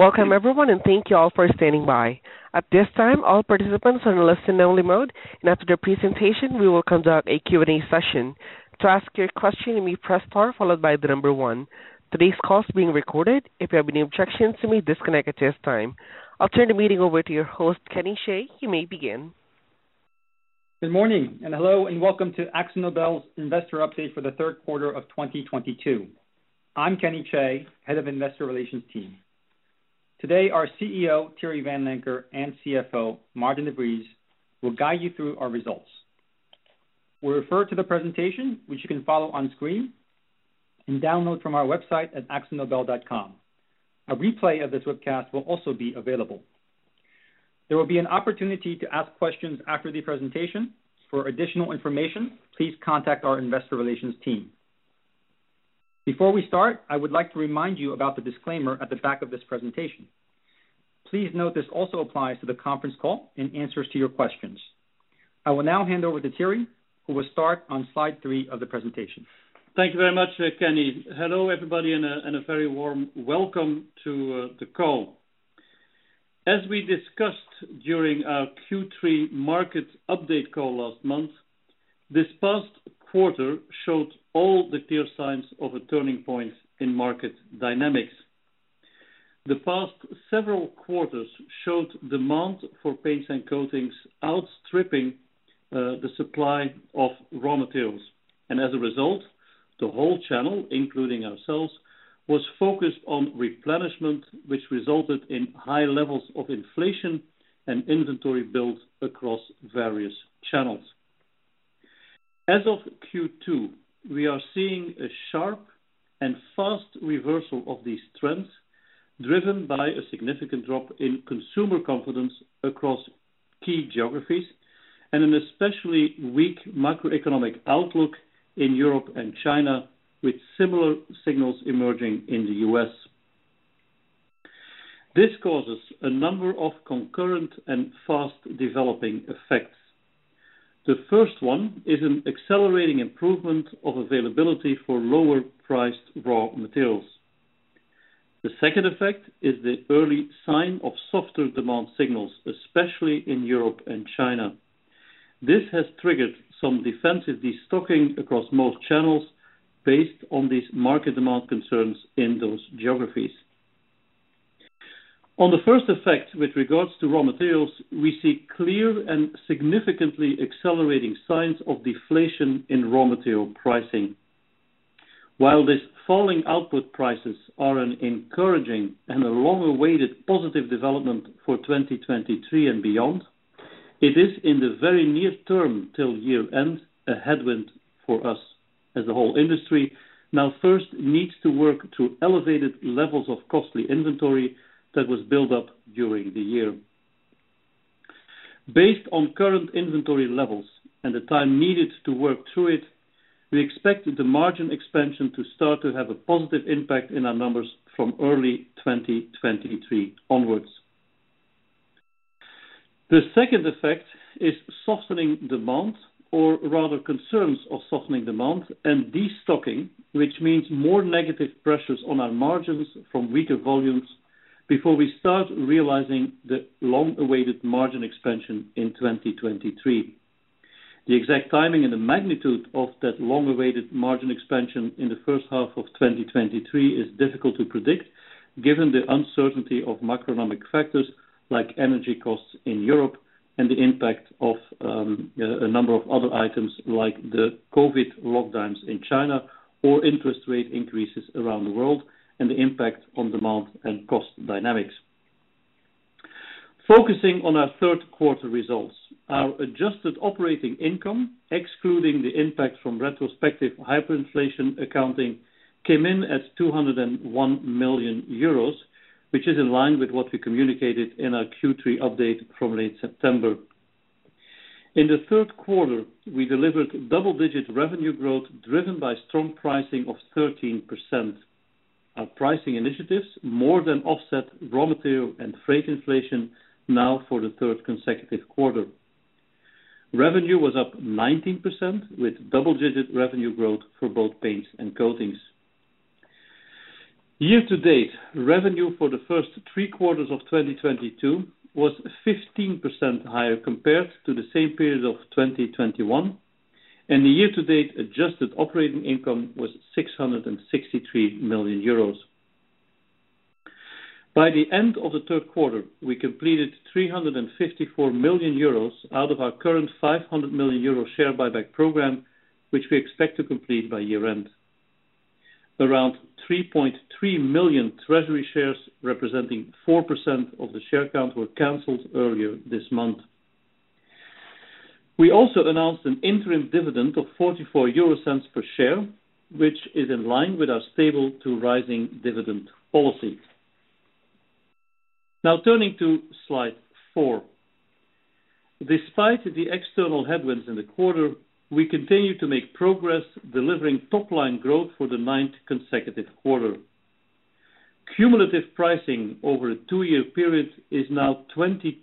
Welcome everyone, and thank you all for standing by. At this time, all participants are in listen only mode, and after the presentation, we will conduct a Q&A session. To ask your question, you may press Star followed by the number one. Today's call is being recorded. If you have any objections, you may disconnect at this time. I'll turn the meeting over to your host, Kenny Chae. You may begin. Good morning, and hello, and welcome to AkzoNobel's investor update for the third quarter of 2022. I'm Kenny Chae, Head of Investor Relations. Today, our CEO, Thierry Vanlancker, and CFO, Maarten de Vries, will guide you through our results. We refer to the presentation, which you can follow on screen and download from our website at akzonobel.com. A replay of this webcast will also be available. There will be an opportunity to ask questions after the presentation. For additional information, please contact our investor relations team. Before we start, I would like to remind you about the disclaimer at the back of this presentation. Please note this also applies to the conference call and answers to your questions. I will now hand over to Thierry, who will start on slide three of the presentation. Thank you very much, Kenny. Hello, everybody, and a very warm welcome to the call. As we discussed during our Q3 market update call last month, this past quarter showed all the clear signs of a turning point in market dynamics. The past several quarters showed demand for paints and coatings outstripping the supply of raw materials. As a result, the whole channel, including ourselves, was focused on replenishment, which resulted in high levels of inflation and inventory built across various channels. As of Q2, we are seeing a sharp and fast reversal of these trends, driven by a significant drop in consumer confidence across key geographies, and an especially weak macroeconomic outlook in Europe and China, with similar signals emerging in the U.S. This causes a number of concurrent and fast-developing effects. The first one is an accelerating improvement of availability for lower-priced raw materials. The second effect is the early sign of softer demand signals, especially in Europe and China. This has triggered some defensive destocking across most channels based on these market demand concerns in those geographies. On the first effect, with regards to raw materials, we see clear and significantly accelerating signs of deflation in raw material pricing. While these falling output prices are an encouraging and a long-awaited positive development for 2023 and beyond, it is in the very near term till year-end, a headwind for us as a whole industry now first needs to work through elevated levels of costly inventory that was built up during the year. Based on current inventory levels and the time needed to work through it, we expect the margin expansion to start to have a positive impact in our numbers from early 2023 onwards. The second effect is softening demand, or rather concerns of softening demand and destocking, which means more negative pressures on our margins from weaker volumes before we start realizing the long-awaited margin expansion in 2023. The exact timing and the magnitude of that long-awaited margin expansion in the first half of 2023 is difficult to predict, given the uncertainty of macroeconomic factors like energy costs in Europe and the impact of a number of other items like the COVID lockdowns in China or interest rate increases around the world and the impact on demand and cost dynamics. Focusing on our third quarter results, our adjusted operating income, excluding the impact from retrospective hyperinflation accounting, came in at 201 million euros, which is in line with what we communicated in our Q3 update from late September. In the third quarter, we delivered double-digit revenue growth driven by strong pricing of 13%. Our pricing initiatives more than offset raw material and freight inflation now for the third consecutive quarter. Revenue was up 19%, with double-digit revenue growth for both Paints and Coatings. Year to date, revenue for the first three quarters of 2022 was 15% higher compared to the same period of 2021, and the year to date adjusted operating income was 663 million euros. By the end of the third quarter, we completed 354 million euros out of our current 500 million euro share buyback program, which we expect to complete by year-end. Around 3.3 million treasury shares, representing 4% of the share count, were canceled earlier this month. We also announced an interim dividend of 0.44 per share, which is in line with our stable to rising dividend policy. Now turning to Slide four. Despite the external headwinds in the quarter, we continue to make progress delivering top-line growth for the ninth consecutive quarter. Cumulative pricing over a two-year period is now 22%.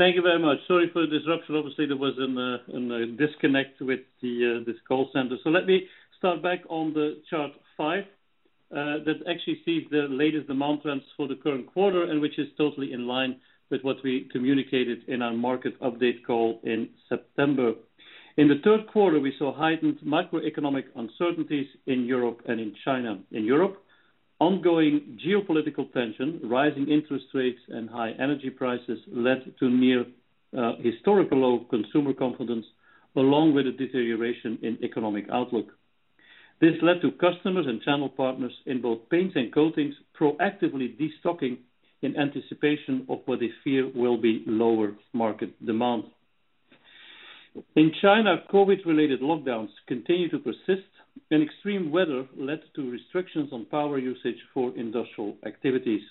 Thank you very much. Sorry for the disruption. Obviously, there was a disconnect with this call center. Let me start back on the Chart 5, that actually sees the latest demand trends for the current quarter, and which is totally in line with what we communicated in our market update call in September. In the third quarter, we saw heightened macroeconomic uncertainties in Europe and China. In Europe, ongoing geopolitical tension, rising interest rates, and high energy prices led to near historical low consumer confidence, along with a deterioration in economic outlook. This led to customers and channel partners in both Paints and Coatings proactively destocking in anticipation of what they fear will be lower market demand. In China, COVID-related lockdowns continue to persist, and extreme weather led to restrictions on power usage for industrial activities.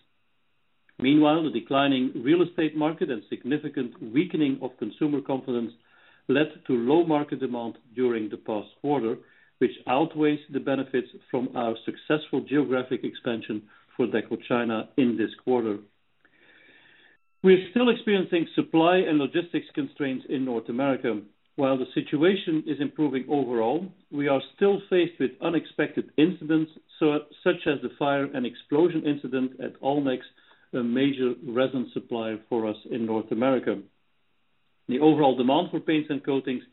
Meanwhile, the declining real estate market and significant weakening of consumer confidence led to low market demand during the past quarter, which outweighs the benefits from our successful geographic expansion for Deco China in this quarter. We're still experiencing supply and logistics constraints in North America. While the situation is improving overall, we are still faced with unexpected incidents, such as the fire and explosion incident at Allnex, a major resin supplier for us in North America. The overall demand for Paints and Coatings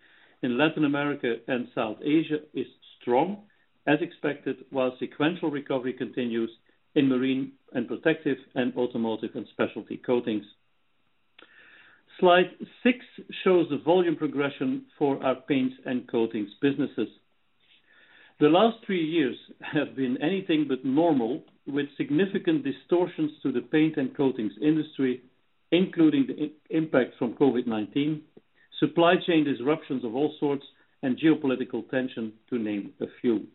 in Latin America and South Asia is strong as expected, while sequential recovery continues in Marine and Protective and Automotive and Specialty Coatings. Slide 6 shows the volume progression for our Paints and Coatings businesses. The last three years have been anything but normal, with significant distortions to the paint and coatings industry, including the impact from COVID-19, supply chain disruptions of all sorts, and geopolitical tension, to name a few.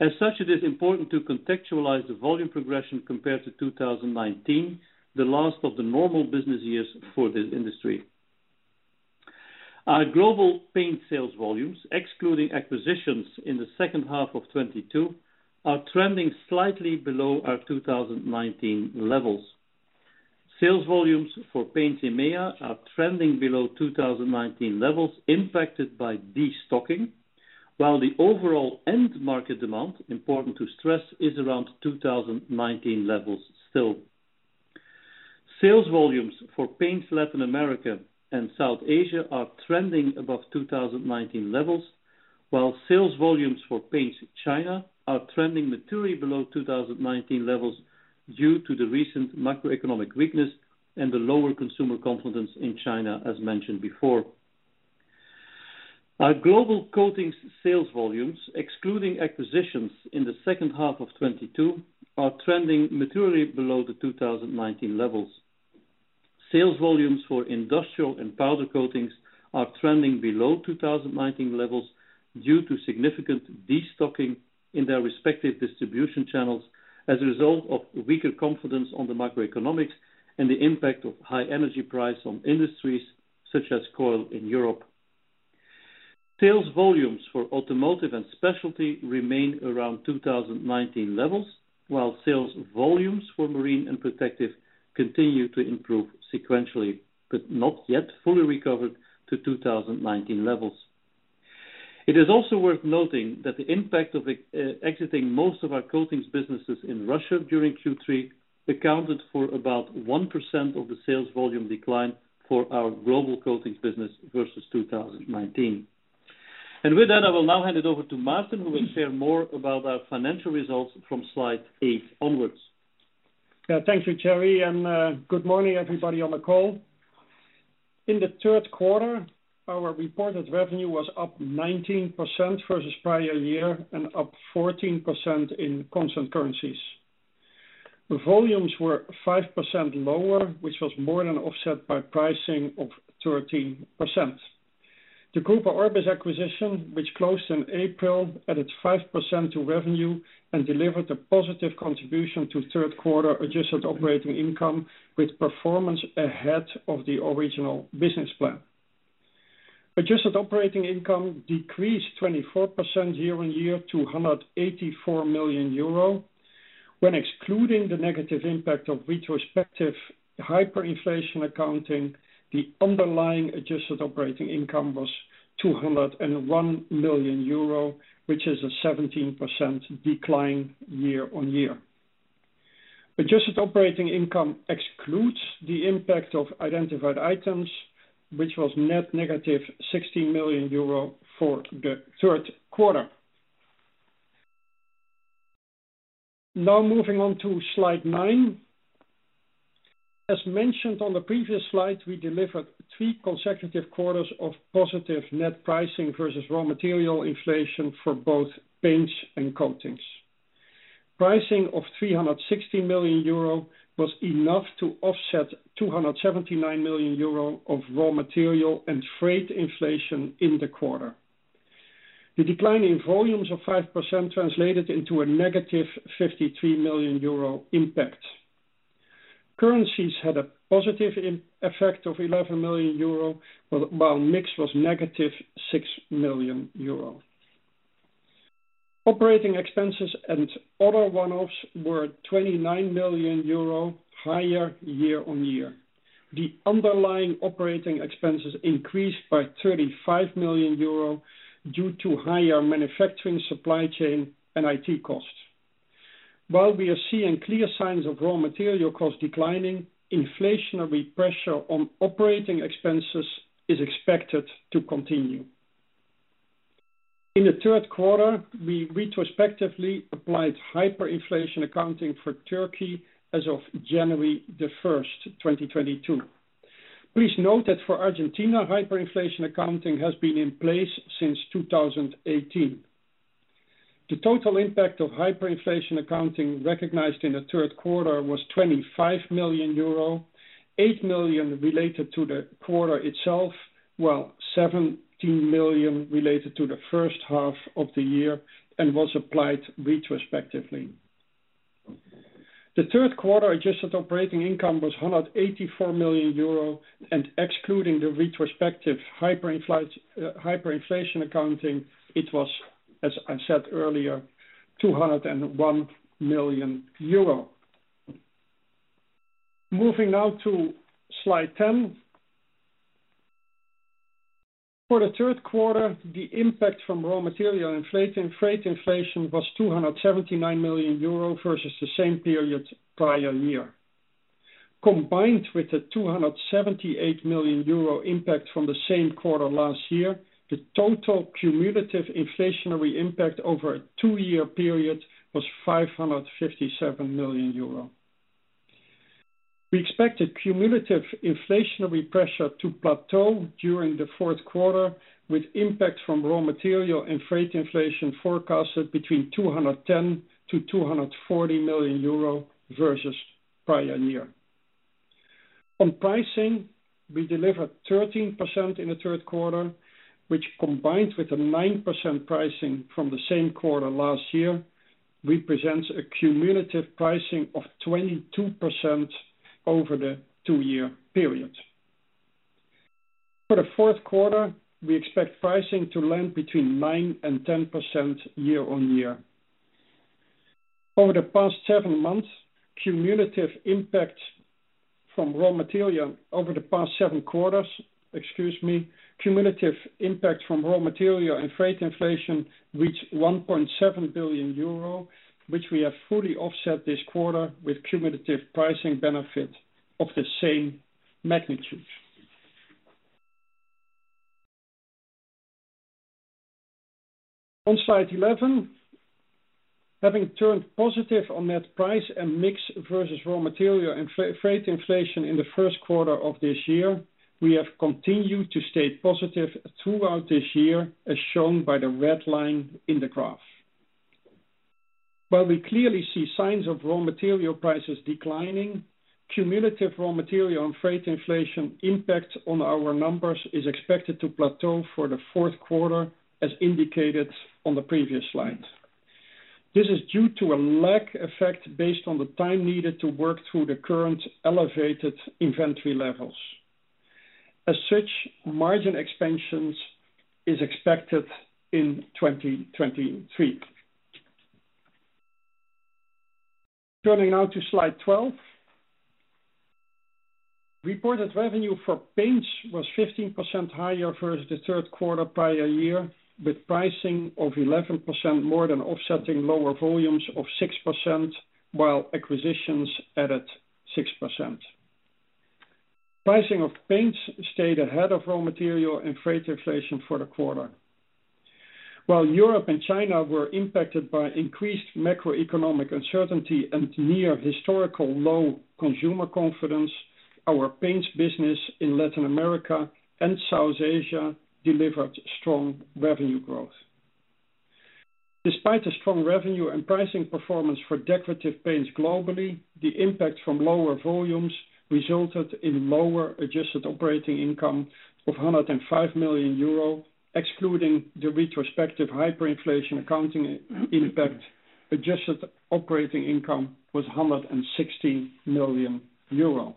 As such, it is important to contextualize the volume progression compared to 2019, the last of the normal business years for this industry. Our global paint sales volumes, excluding acquisitions in the second half of 2022, are trending slightly below our 2019 levels. Sales volumes for paints EMEA are trending below 2019 levels impacted by destocking, while the overall end market demand, important to stress, is around 2019 levels still. Sales volumes for Paints Latin America and South Asia are trending above 2019 levels, while sales volumes for Paints China are trending materially below 2019 levels due to the recent macroeconomic weakness and the lower consumer confidence in China, as mentioned before. Our global Coatings sales volumes, excluding acquisitions in the second half of 2022, are trending materially below the 2019 levels. Sales volumes for Industrial and Powder Coatings are trending below 2019 levels due to significant destocking in their respective distribution channels as a result of weaker confidence on the macroeconomics and the impact of high energy price on industries such as coil in Europe. Sales volumes for Automotive and Specialty remain around 2019 levels, while sales volumes for Marine and Protective continue to improve sequentially, but not yet fully recovered to 2019 levels. It is also worth noting that the impact of exiting most of our coatings businesses in Russia during Q3 accounted for about 1% of the sales volume decline for our global coatings business versus 2019. With that, I will now hand it over to Maarten, who will share more about our financial results from slide eight onwards. Yeah. Thank you, Thierry, and good morning, everybody on the call. In the third quarter, our reported revenue was up 19% versus prior year and up 14% in constant currencies. The volumes were 5% lower, which was more than offset by pricing of 13%. The Grupo Orbis acquisition, which closed in April, added 5% to revenue and delivered a positive contribution to third quarter adjusted operating income with performance ahead of the original business plan. Adjusted operating income decreased 24% year-on-year to 184 million euro. When excluding the negative impact of retrospective hyperinflation accounting, the underlying adjusted operating income was 201 million euro, which is a 17% decline year-on-year. Adjusted operating income excludes the impact of identified items, which was net negative 60 million euro for the third quarter. Now moving on to slide nine. As mentioned on the previous slide, we delivered three consecutive quarters of positive net pricing versus raw material inflation for both paints and coatings. Pricing of 360 million euro was enough to offset 279 million euro of raw material and freight inflation in the quarter. The decline in volumes of 5% translated into a negative 53 million euro impact. Currencies had a positive effect of 11 million euro, while Mix was negative 6 million euro. Operating expenses and other one-offs were 29 million euro higher year-on-year. The underlying operating expenses increased by 35 million euro due to higher manufacturing supply chain and IT costs. While we are seeing clear signs of raw material costs declining, inflationary pressure on operating expenses is expected to continue. In the third quarter, we retrospectively applied hyperinflation accounting for Turkey as of January 1st, 2022. Please note that for Argentina, hyperinflation accounting has been in place since 2018. The total impact of hyperinflation accounting recognized in the third quarter was 25 million euro, 8 million related to the quarter itself, while 17 million related to the first half of the year and was applied retrospectively. The third quarter adjusted operating income was 184 million euro, and excluding the retrospective hyperinflation accounting, it was, as I said earlier, 201 million euro. Moving now to slide 10. For the third quarter, the impact from raw material inflation and freight inflation was 279 million euro versus the same period prior year. Combined with the 278 million euro impact from the same quarter last year, the total cumulative inflationary impact over a two-year period was 557 million euro. We expect the cumulative inflationary pressure to plateau during the fourth quarter, with impacts from raw material and freight inflation forecasted between 210 million-240 million euro versus prior year. On pricing, we delivered 13% in the third quarter, which combined with the 9% pricing from the same quarter last year, represents a cumulative pricing of 22% over the two-year period. For the fourth quarter, we expect pricing to land between 9%-10% year-on-year. Over the past seven quarters, excuse me, cumulative impact from raw material and freight inflation reached 1.7 billion euro, which we have fully offset this quarter with cumulative pricing benefit of the same magnitude. On slide 11. Having turned positive on net price and mix versus raw material and freight inflation in the first quarter of this year, we have continued to stay positive throughout this year, as shown by the red line in the graph. While we clearly see signs of raw material prices declining, cumulative raw material and freight inflation impact on our numbers is expected to plateau for the fourth quarter, as indicated on the previous slide. This is due to a lag effect based on the time needed to work through the current elevated inventory levels. As such, margin expansions is expected in 2023. Turning now to slide 12. Reported revenue for Paints was 15% higher versus the third quarter prior year, with pricing of 11% more than offsetting lower volumes of 6%, while acquisitions added 6%. Pricing of Paints stayed ahead of raw material and freight inflation for the quarter. While Europe and China were impacted by increased macroeconomic uncertainty and near historical low consumer confidence, our Paints business in Latin America and South Asia delivered strong revenue growth. Despite the strong revenue and pricing performance for Decorative Paints globally, the impact from lower volumes resulted in lower adjusted operating income of 105 million euro. Excluding the retrospective hyperinflation accounting impact, adjusted operating income was 160 million euro.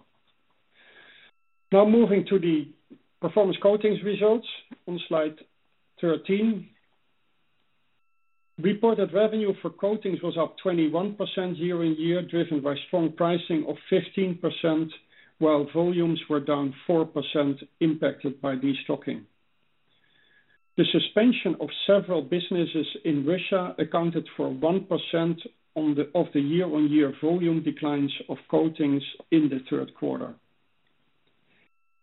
Now moving to the Performance Coatings results on slide 13. Reported revenue for Coatings was up 21% year-over-year, driven by strong pricing of 15%, while volumes were down 4% impacted by destocking. The suspension of several businesses in Russia accounted for 1% of the year-over-year volume declines of Coatings in the third quarter.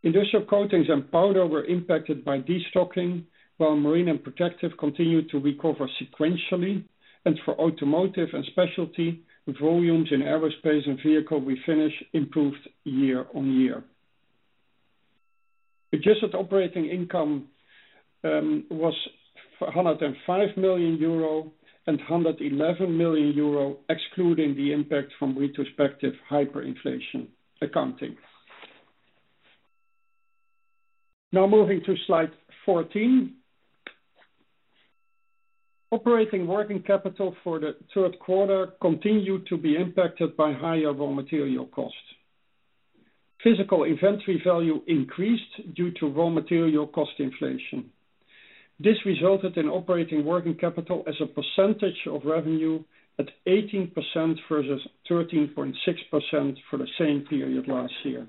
Industrial Coatings and Powder Coatings were impacted by destocking, while Marine and Protective Coatings continued to recover sequentially, and for Automotive and Specialty Coatings, volumes in Aerospace and Vehicle Refinishes improved year-over-year. Adjusted operating income was 105 million euro and 111 million euro, excluding the impact from retrospective hyperinflation accounting. Now moving to slide 14. Operating working capital for the third quarter continued to be impacted by higher raw material costs. Physical inventory value increased due to raw material cost inflation. This resulted in operating working capital as a percentage of revenue at 18% versus 13.6% for the same period last year.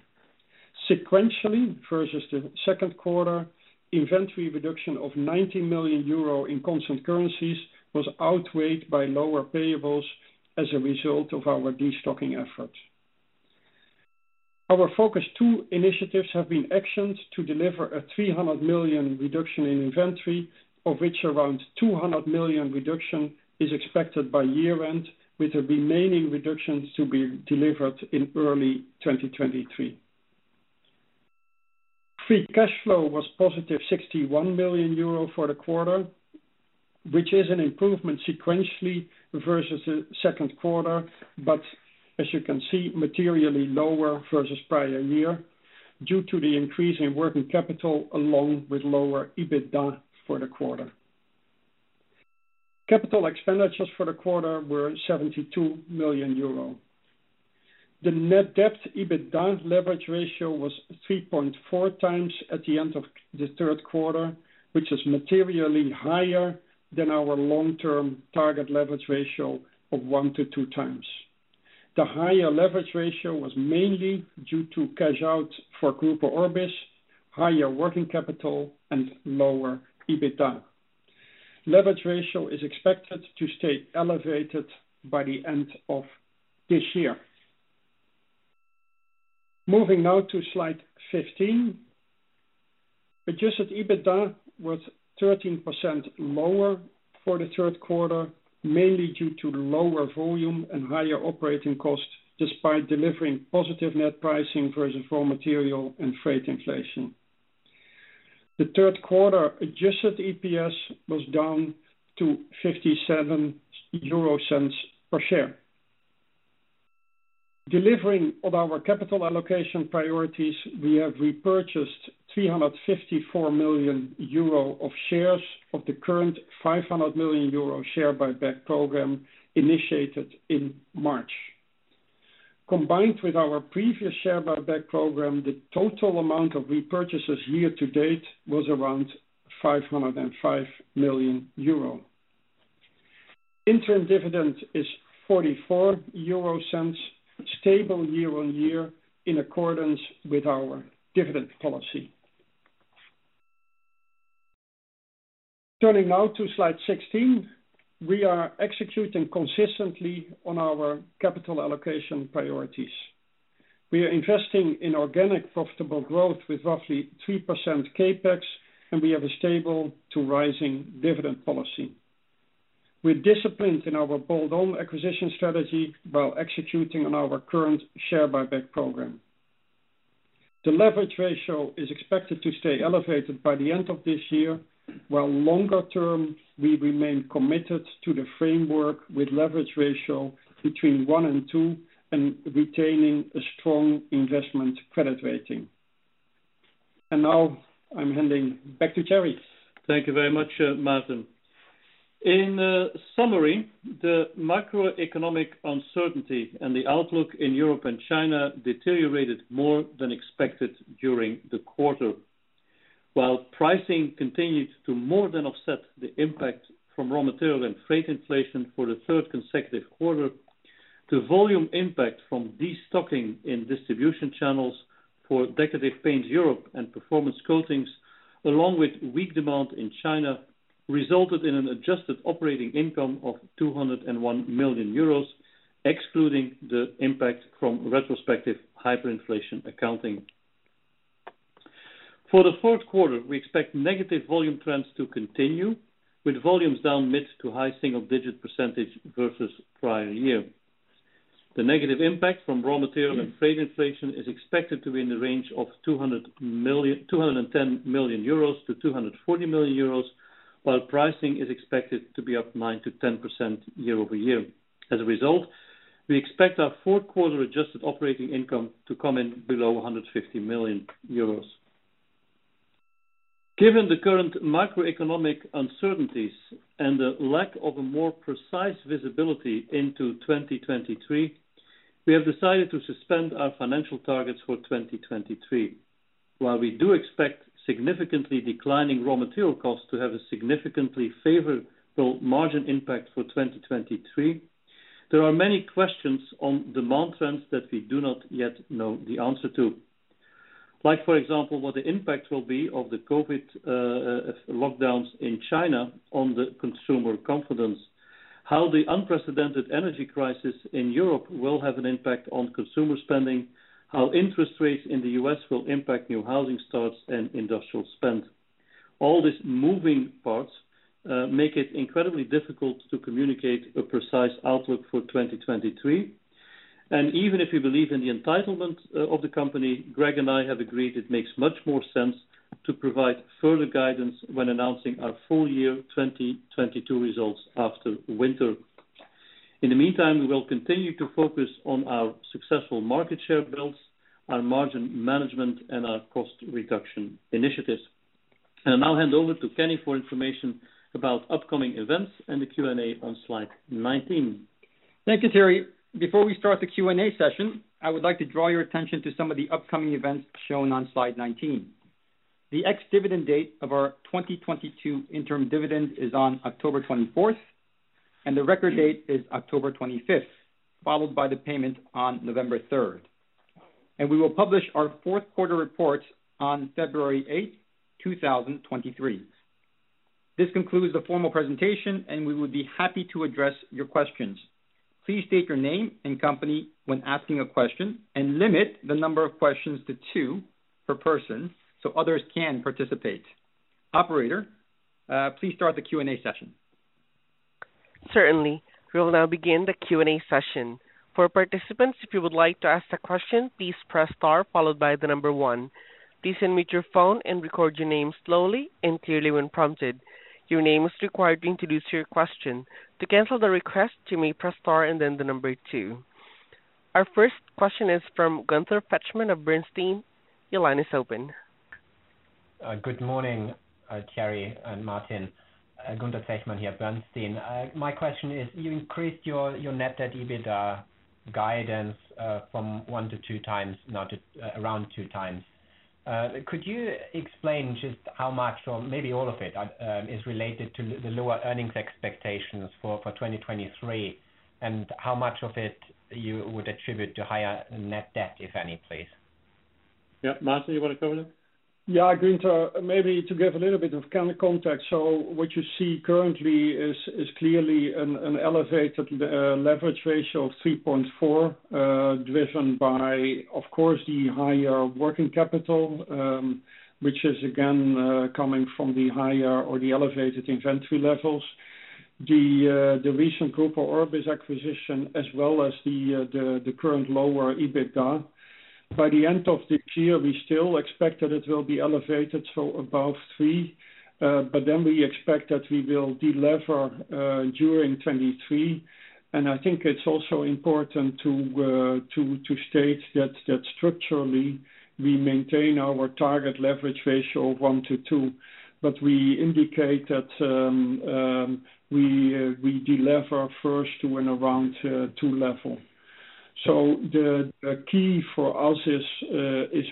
Sequentially, versus the second quarter, inventory reduction of 90 million euro in constant currencies was outweighed by lower payables as a result of our destocking efforts. Our Focus Two initiatives have been actioned to deliver a 300 million reduction in inventory, of which around 200 million reduction is expected by year-end, with the remaining reductions to be delivered in early 2023. Free cash flow was positive 61 million euro for the quarter, which is an improvement sequentially versus the second quarter, but as you can see, materially lower versus prior year due to the increase in working capital along with lower EBITDA for the quarter. Capital expenditures for the quarter were 72 million euro. The net debt/EBITDA leverage ratio was 3.4 times at the end of the third quarter, which is materially higher than our long-term target leverage ratio of 1-2 times. The higher leverage ratio was mainly due to cash out for Grupo Orbis, higher working capital, and lower EBITDA. Leverage ratio is expected to stay elevated by the end of this year. Moving now to slide 15. Adjusted EBITDA was 13% lower for the third quarter, mainly due to lower volume and higher operating costs, despite delivering positive net pricing versus raw material and freight inflation. The third quarter adjusted EPS was down to 0.57 per share. Delivering on our capital allocation priorities, we have repurchased 354 million euro of shares of the current 500 million euro share buyback program initiated in March. Combined with our previous share buyback program, the total amount of repurchases year to date was around 505 million euro. Interim dividend is 0.44, stable year-on-year in accordance with our dividend policy. Turning now to slide 16. We are executing consistently on our capital allocation priorities. We are investing in organic profitable growth with roughly 3% CapEx, and we have a stable to rising dividend policy. We're disciplined in our bolt-on acquisition strategy while executing on our current share buyback program. The leverage ratio is expected to stay elevated by the end of this year, while longer term, we remain committed to the framework with leverage ratio between one and two and retaining a strong investment credit rating. Now I'm handing back to Thierry. Thank you very much, Maarten. In summary, the macroeconomic uncertainty and the outlook in Europe and China deteriorated more than expected during the quarter. While pricing continued to more than offset the impact from raw material and freight inflation for the third consecutive quarter, the volume impact from destocking in distribution channels for Decorative Paints Europe and Performance Coatings, along with weak demand in China, resulted in an adjusted operating income of 201 million euros, excluding the impact from retrospective hyperinflation accounting. For the fourth quarter, we expect negative volume trends to continue, with volumes down mid- to high-single-digit % versus prior year. The negative impact from raw material and freight inflation is expected to be in the range of 200 million, 210 million euros to 240 million euros, while pricing is expected to be up 9%-10% year-over-year. As a result, we expect our fourth quarter adjusted operating income to come in below 150 million euros. Given the current macroeconomic uncertainties and the lack of a more precise visibility into 2023, we have decided to suspend our financial targets for 2023. While we do expect significantly declining raw material costs to have a significantly favorable margin impact for 2023, there are many questions on demand trends that we do not yet know the answer to. Like, for example, what the impact will be of the COVID lockdowns in China on the consumer confidence, how the unprecedented energy crisis in Europe will have an impact on consumer spending, how interest rates in the U.S. will impact new housing starts and industrial spend. All these moving parts make it incredibly difficult to communicate a precise outlook for 2023. Even if you believe in the entitlement of the company, Greg and I have agreed it makes much more sense to provide further guidance when announcing our full year 2022 results after winter. In the meantime, we will continue to focus on our successful market share builds, our margin management, and our cost reduction initiatives. I'll now hand over to Kenny for information about upcoming events and the Q&A on slide 19. Thank you, Thierry. Before we start the Q&A session, I would like to draw your attention to some of the upcoming events shown on slide 19. The ex-dividend date of our 2022 interim dividend is on October 24th, and the record date is October 25th, followed by the payment on November 3rd. We will publish our fourth quarter reports on February 8th, 2023. This concludes the formal presentation, and we would be happy to address your questions. Please state your name and company when asking a question, and limit the number of questions to two per person so others can participate. Operator, please start the Q&A session. Certainly. We will now begin the Q&A session. For participants, if you would like to ask a question, please press star followed by the number one. Please unmute your phone and record your name slowly and clearly when prompted. Your name is required to introduce your question. To cancel the request, you may press star and then the number two. Our first question is from Gunther Zechmann of Bernstein. Your line is open. Good morning, Thierry and Maarten. Gunther Zechmann here, Bernstein. My question is, you increased your net debt/EBITDA guidance from 1-2 times, now to around 2 times. Could you explain just how much, or maybe all of it, is related to the lower earnings expectations for 2023, and how much of it you would attribute to higher net debt, if any, please? Yeah. Maarten, you wanna cover that? Yeah, Gunther, maybe to give a little bit of kind of context. What you see currently is clearly an elevated leverage ratio of 3.4, driven by, of course, the higher working capital, which is again coming from the higher or the elevated inventory levels. The recent Grupo Orbis acquisition as well as the current lower EBITDA. By the end of this year, we still expect that it will be elevated to above three. Then we expect that we will delever during 2023. I think it's also important to state that structurally we maintain our target leverage ratio of 1-2. We indicate that we delever first to and around two level. The key for us is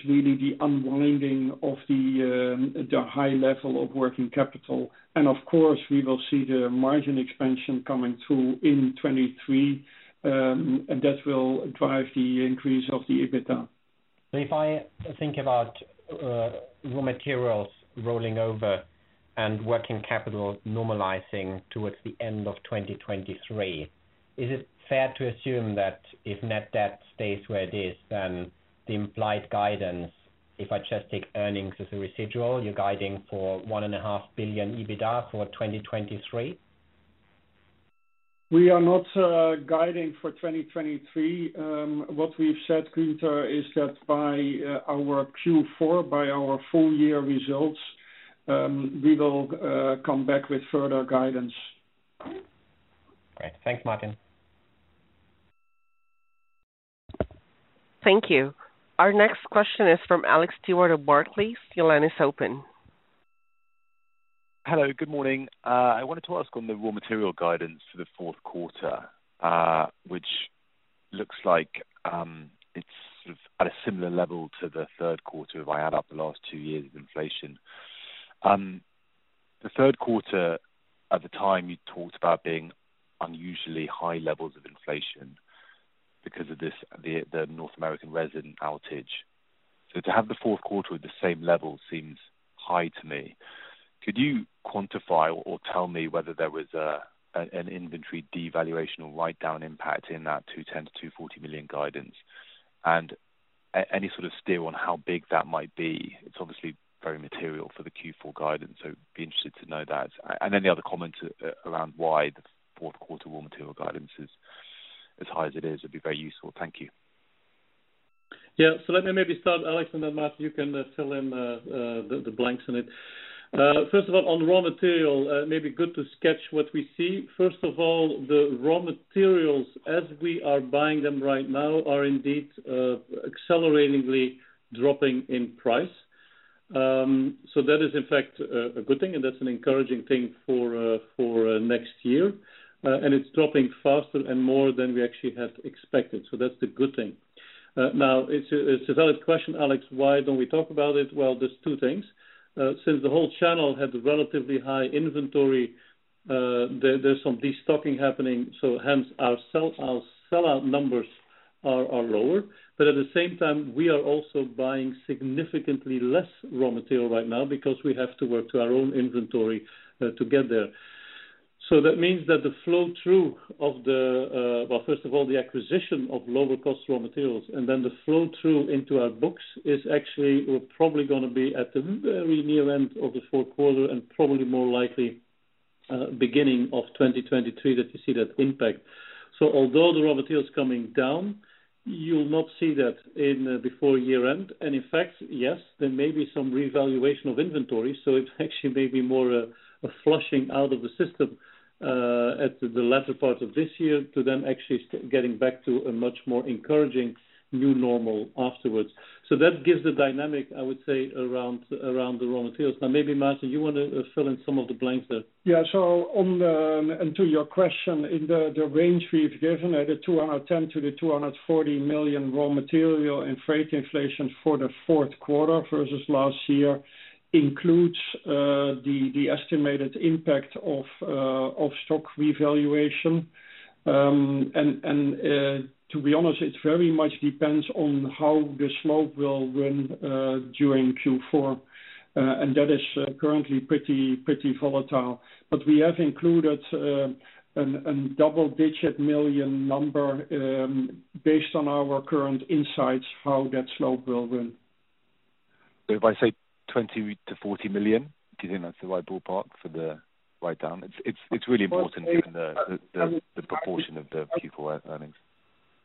really the unwinding of the high level of working capital. Of course, we will see the margin expansion coming through in 2023, and that will drive the increase of the EBITDA. If I think about raw materials rolling over and working capital normalizing towards the end of 2023, is it fair to assume that if net debt stays where it is, then the implied guidance, if I just take earnings as a residual, you're guiding for 1.5 billion EBITDA for 2023? We are not guiding for 2023. What we've said, Gunther, is that by our Q4, by our full year results, we will come back with further guidance. Great. Thanks, Maarten. Thank you. Our next question is from Alex Stewart of Barclays. Your line is open. Hello, good morning. I wanted to ask on the raw material guidance for the fourth quarter, which looks like it's at a similar level to the third quarter if I add up the last two years of inflation. The third quarter, at the time you talked about being unusually high levels of inflation because of the North American resin outage. To have the fourth quarter at the same level seems high to me. Could you quantify or tell me whether there was an inventory devaluation or write-down impact in that 210 million-240 million guidance? And any sort of steer on how big that might be. It's obviously very material for the Q4 guidance, so be interested to know that. Any other comments around why the fourth quarter raw material guidance is as high as it is would be very useful. Thank you. Yeah. Let me maybe start, Alex Stewart, and then Maarten de Vries, you can fill in the blanks in it. First of all, on raw material, maybe good to sketch what we see. First of all, the raw materials as we are buying them right now are indeed acceleratingly dropping in price. That is in fact a good thing, and that's an encouraging thing for next year. It's dropping faster and more than we actually had expected. That's the good thing. It's a valid question, Alex Stewart, why don't we talk about it? Well, there's two things. Since the whole channel had relatively high inventory, there's some destocking happening, so hence our sellout numbers are lower. At the same time, we are also buying significantly less raw material right now because we have to work to our own inventory to get there. That means that the flow through of the, well, first of all, the acquisition of lower cost raw materials, and then the flow through into our books is actually probably gonna be at the very near end of the fourth quarter and probably more likely beginning of 2023 that you see that impact. Although the raw material is coming down, you'll not see that in before year-end. In fact, yes, there may be some revaluation of inventory. It actually may be more a flushing out of the system at the latter part of this year to then actually getting back to a much more encouraging new normal afterwards. That gives the dynamic, I would say, around the raw materials. Now, maybe Maarten, you want to fill in some of the blanks there. Yeah. To your question, in the range we've given at 210 million-240 million raw material and freight inflation for the fourth quarter versus last year includes the estimated impact of stock revaluation. To be honest, it very much depends on how the slope will run during Q4. That is currently pretty volatile. We have included a double-digit million number based on our current insights how that slope will run. If I say 20 million to 40 million, do you think that's the right ballpark for the write-down? It's really important given the proportion of the Q4 earnings.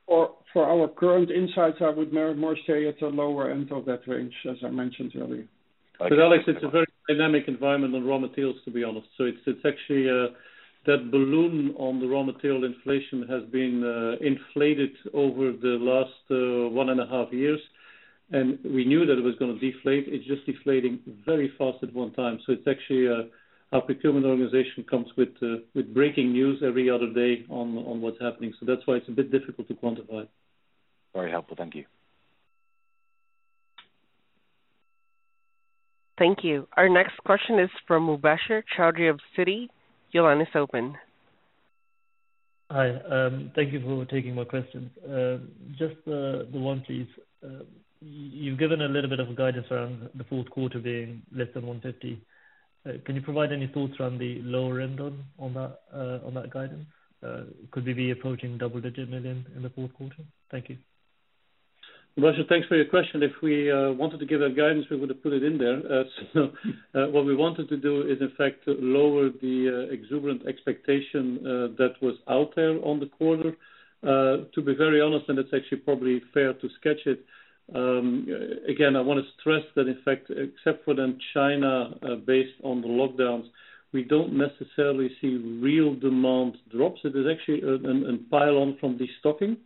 For our current insights, I would more say it's a lower end of that range, as I mentioned earlier. Okay. Alex, it's a very dynamic environment on raw materials, to be honest. It's actually that balloon on the raw material inflation has been inflated over the last one and a half years. We knew that it was gonna deflate. It's just deflating very fast at one time. It's actually our procurement organization comes with breaking news every other day on what's happening. That's why it's a bit difficult to quantify. Very helpful. Thank you. Thank you. Our next question is from Mubasher Chaudhry of Citi. Your line is open. Hi. Thank you for taking my questions. Just the one please. You've given a little bit of guidance around the fourth quarter being less than 150 million. Can you provide any thoughts around the lower end on that guidance? Could we be approaching double-digit million EUR in the fourth quarter? Thank you. Mubasher Chaudhry, thanks for your question. If we wanted to give that guidance, we would have put it in there. What we wanted to do is, in fact, lower the exuberant expectation that was out there on the quarter, to be very honest, and it's actually probably fair to sketch it. Again, I want to stress that, in fact, except for in China, based on the lockdowns, we don't necessarily see real demand drops. It is actually a pile on from destocking.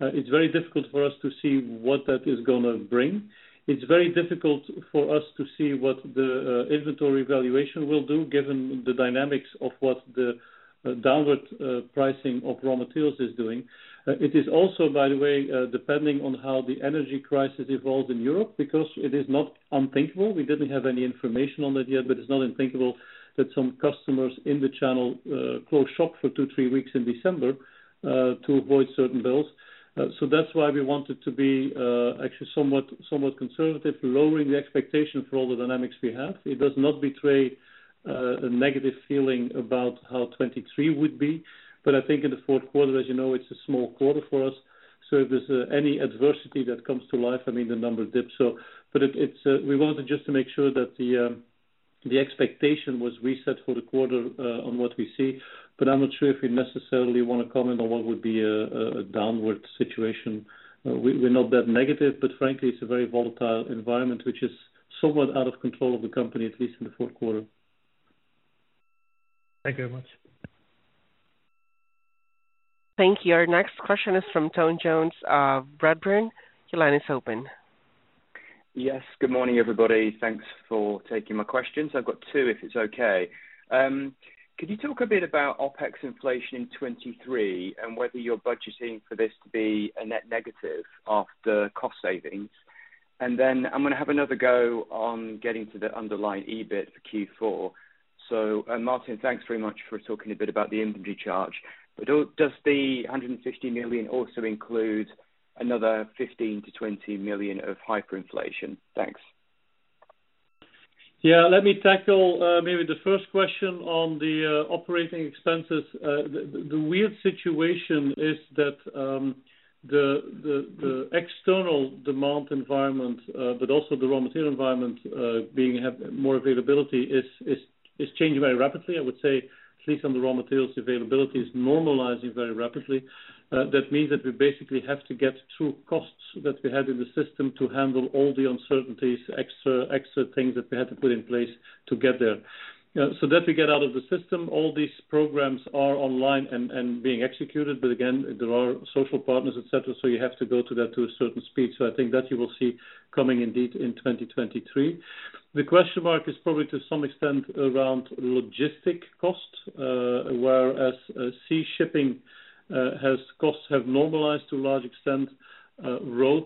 It's very difficult for us to see what that is gonna bring. It's very difficult for us to see what the inventory valuation will do given the dynamics of what the downward pricing of raw materials is doing. It is also, by the way, depending on how the energy crisis evolves in Europe, because it is not unthinkable. We didn't have any information on it yet, but it's not unthinkable that some customers in the channel close shop for 2-3 weeks in December to avoid certain bills. That's why we wanted to be actually somewhat conservative, lowering the expectation for all the dynamics we have. It does not betray a negative feeling about how 2023 would be. I think in the fourth quarter, as you know, it's a small quarter for us, so if there's any adversity that comes to life, I mean, the number dips. We wanted just to make sure that the expectation was reset for the quarter on what we see. I'm not sure if we necessarily wanna comment on what would be a downward situation. We're not that negative, but frankly, it's a very volatile environment, which is somewhat out of control of the company, at least in the fourth quarter. Thank you very much. Thank you. Our next question is from Tony Jones of Redburn. Your line is open. Yes, good morning, everybody. Thanks for taking my questions. I've got two, if it's okay. Could you talk a bit about OpEx inflation in 2023 and whether you're budgeting for this to be a net negative after cost savings? I'm gonna have another go on getting to the underlying EBIT for Q4. Martin, thanks very much for talking a bit about the inventory charge. Does the 150 million also include another 15-20 million of hyperinflation? Thanks. Yeah, let me tackle maybe the first question on the operating expenses. The weird situation is that the external demand environment but also the raw material environment having more availability is changing very rapidly. I would say at least on the raw material availability is normalizing very rapidly. That means that we basically have to get through costs that we had in the system to handle all the uncertainties, extra things that we had to put in place to get there. That we get out of the system, all these programs are online and being executed, but again, there are social partners, et cetera, so you have to go through that to a certain speed. I think that you will see coming indeed in 2023. The question mark is probably to some extent around logistics costs, whereas sea shipping costs have normalized to a large extent. Road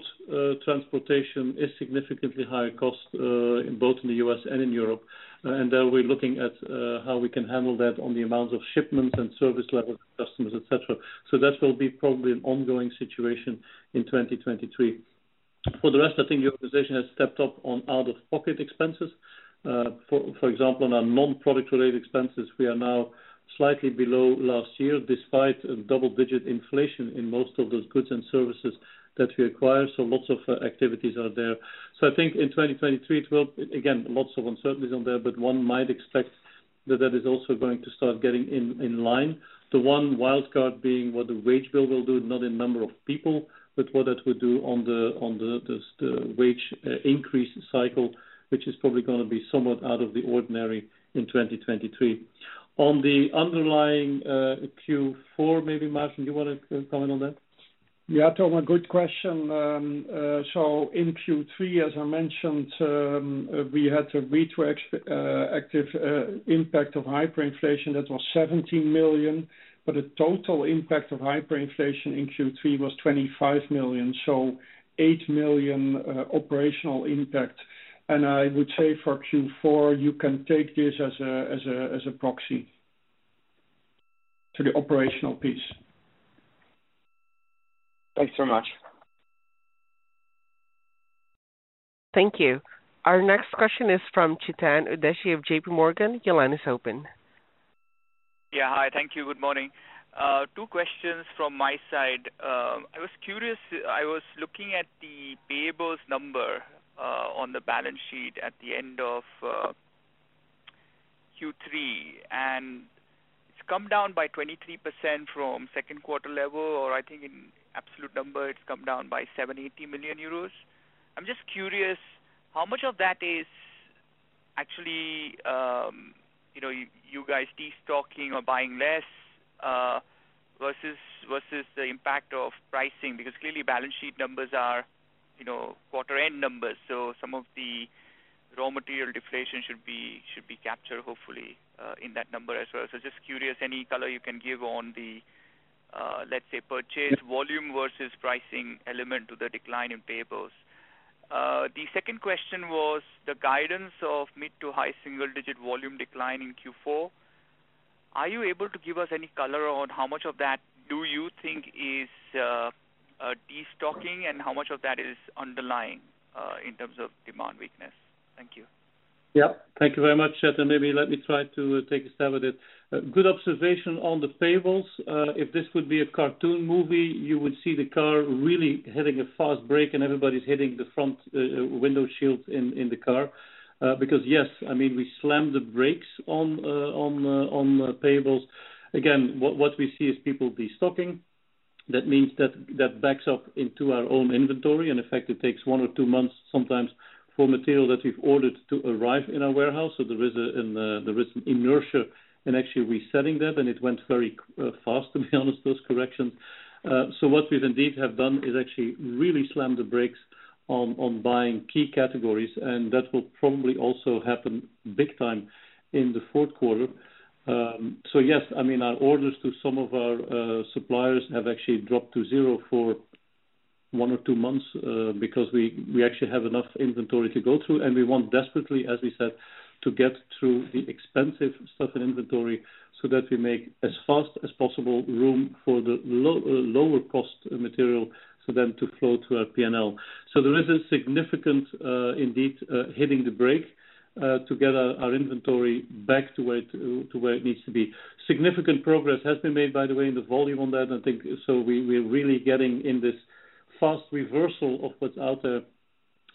transportation is significantly higher cost in both the U.S. and in Europe. There we're looking at how we can handle that on the amount of shipments and service levels to customers, etc. That will be probably an ongoing situation in 2023. For the rest, I think the organization has stepped up on out-of-pocket expenses. For example, on our non-product related expenses, we are now slightly below last year, despite double-digit inflation in most of those goods and services that we acquire, so lots of activities are there. I think in 2023, it will. Again, lots of uncertainties on there, but one might expect that is also going to start getting in line. The one wildcard being what the wage bill will do, not in number of people, but what that will do on the wage increase cycle, which is probably gonna be somewhat out of the ordinary in 2023. On the underlying Q4, maybe Maarten, do you wanna comment on that? Tony, a good question. In Q3, as I mentioned, we had to retroactively account for the impact of hyperinflation. That was 17 million. But the total impact of hyperinflation in Q3 was 25 million, so 8 million operational impact. I would say for Q4, you can take this as a proxy for the operational piece. Thanks so much. Thank you. Our next question is from Chetan Udeshi of JPMorgan. Your line is open. Yeah. Hi. Thank you. Good morning. Two questions from my side. I was curious. I was looking at the payables number on the balance sheet at the end of Q3, and it's come down by 23% from second quarter level, or I think in absolute number, it's come down by 780 million euros. I'm just curious, how much of that is actually, you know, you guys destocking or buying less versus the impact of pricing? Because clearly balance sheet numbers are, you know, quarter end numbers, so some of the raw material deflation should be captured, hopefully, in that number as well. So just curious, any color you can give on the, let's say, purchase volume versus pricing element to the decline in payables. The second question was the guidance of mid- to high-single-digit volume decline in Q4. Are you able to give us any color on how much of that do you think is destocking, and how much of that is underlying, in terms of demand weakness? Thank you. Yeah. Thank you very much, Chetan Udeshi. Maybe let me try to take a stab at it. Good observation on the payables. If this would be a cartoon movie, you would see the car really hitting a fast brake, and everybody's hitting the front windshield in the car, because yes, I mean, we slammed the brakes on payables. Again, what we see is people destocking. That means that backs up into our own inventory. In fact, it takes one or two months sometimes for material that we've ordered to arrive in our warehouse. There is an inertia in actually resetting that, and it went very fast, to be honest, those corrections. What we indeed have done is actually really slam the brakes on buying key categories, and that will probably also happen big time in the fourth quarter. Yes, I mean, our orders to some of our suppliers have actually dropped to zero for one or two months, because we actually have enough inventory to go through, and we want desperately, as we said, to get through the expensive stuff in inventory so that we make as fast as possible room for the lower cost material, so then to flow to our P&L. There is a significant indeed hitting the brake to get our inventory back to where it needs to be. Significant progress has been made, by the way, in the volume on that, I think. We're really getting in this fast reversal of what's out there.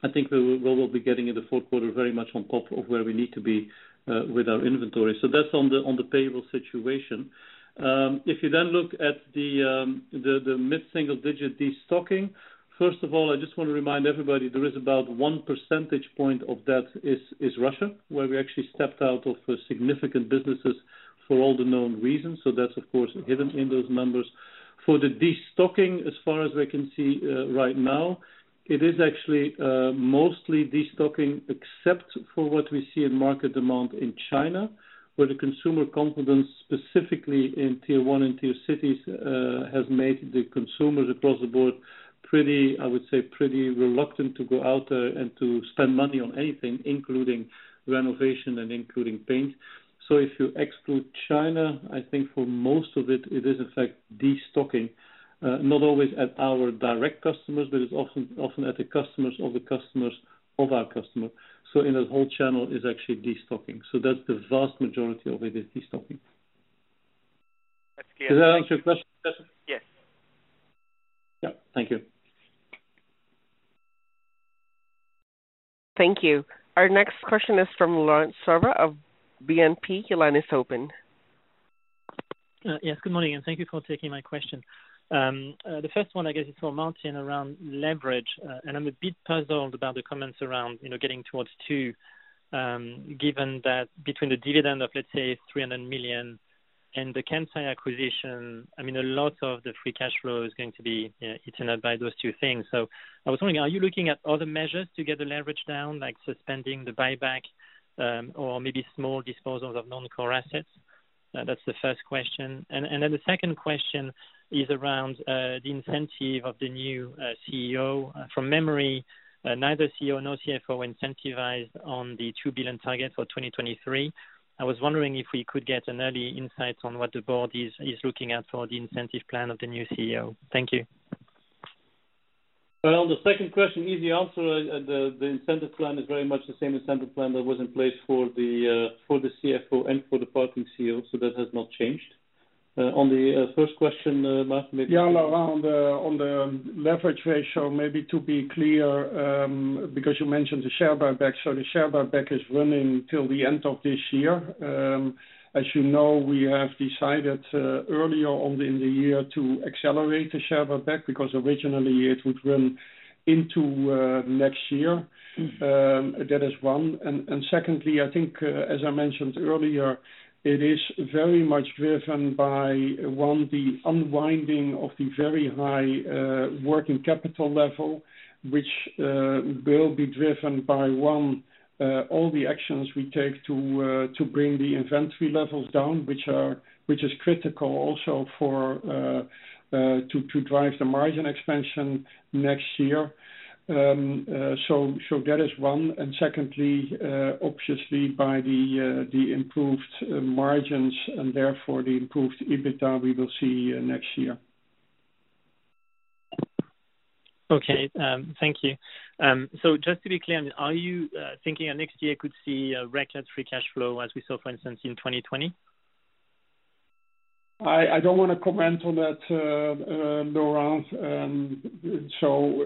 I think we will be getting in the fourth quarter very much on top of where we need to be with our inventory. That's on the payables situation. If you then look at the mid-single-digit destocking. First of all, I just wanna remind everybody there is about one percentage point of that is Russia, where we actually stepped out of significant businesses for all the known reasons. That's of course given in those numbers. For the destocking, as far as we can see, right now, it is actually mostly destocking, except for what we see in market demand in China, where the consumer confidence, specifically in tier one and tier two cities, has made the consumers across the board pretty, I would say, pretty reluctant to go out and to spend money on anything, including renovation and including paint. If you exclude China, I think for most of it is in fact destocking, not always at our direct customers, but it's often at the customers of the customers of our customer. In the whole channel is actually destocking. That's the vast majority of it is destocking. That's clear. Does that answer your question, Chetan? Yes. Yeah. Thank you. Thank you. Our next question is from Laurent Favre of BNP. Your line is open. Yes, good morning, and thank you for taking my question. The first one, I guess is for Maarten around leverage, and I'm a bit puzzled about the comments around, you know, getting towards two, given that between the dividend of, let's say, 300 million and the Kansai acquisition, I mean, a lot of the free cash flow is going to be, you know, eaten up by those two things. I was wondering, are you looking at other measures to get the leverage down, like suspending the buyback, or maybe small disposals of non-core assets? That's the first question. And then the second question is around the incentive of the new CEO. From memory, neither CEO nor CFO incentivized on the 2 billion target for 2023. I was wondering if we could get an early insight on what the board is looking at for the incentive plan of the new CEO. Thank you. Well, the second question, easy answer. The incentive plan is very much the same incentive plan that was in place for the CFO and for the acting CEO. That has not changed. On the first question, Maarten, maybe Yeah. On the leverage ratio, maybe to be clear, because you mentioned the share buyback. The share buyback is running till the end of this year. As you know, we have decided earlier on in the year to accelerate the share buyback because originally it would run into next year. That is one. Secondly, I think as I mentioned earlier, it is very much driven by one, the unwinding of the very high working capital level, which will be driven by one, all the actions we take to bring the inventory levels down, which is critical also to drive the margin expansion next year. That is one. Secondly, obviously by the improved margins and therefore the improved EBITDA we will see next year. Okay. Thank you. Just to be clear, are you thinking next year could see a record free cash flow, as we saw, for instance, in 2020? I don't wanna comment on that, Laurent.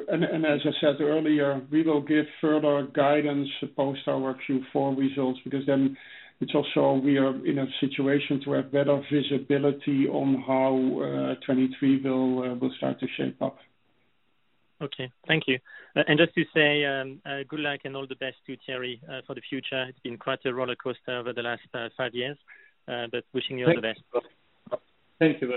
As I said earlier, we will give further guidance post our Q4 results because then it's also we are in a situation to have better visibility on how 2023 will start to shape up. Okay. Thank you. Just to say, good luck and all the best to Thierry for the future. It's been quite a roller coaster over the last five years, but wishing you all the best. Thank you.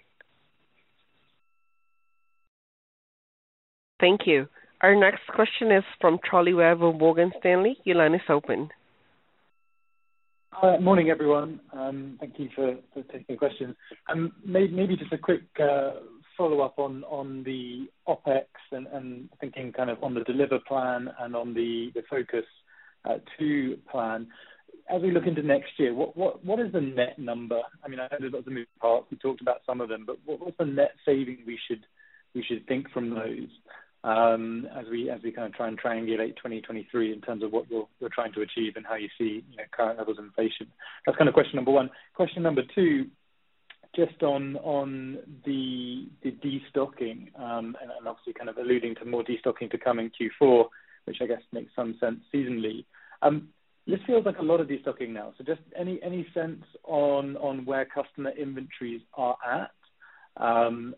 Thank you. Our next question is from Charlie Webb of Morgan Stanley. Your line is open. Morning, everyone, and thank you for taking the question. Maybe just a quick follow-up on the OpEx and thinking kind of on the Grow & Deliver plan and on the Focus Two plan. As we look into next year, what is the net number? I mean, I know there's lots of moving parts. We talked about some of them, but what's the net saving we should think from those, as we kind of try and triangulate 2023 in terms of what we're trying to achieve and how you see, you know, current levels of inflation. That's kind of question number one. Question number two, just on the destocking and obviously kind of alluding to more destocking to come in Q4, which I guess makes some sense seasonally. This feels like a lot of destocking now. Just any sense on where customer inventories are at, and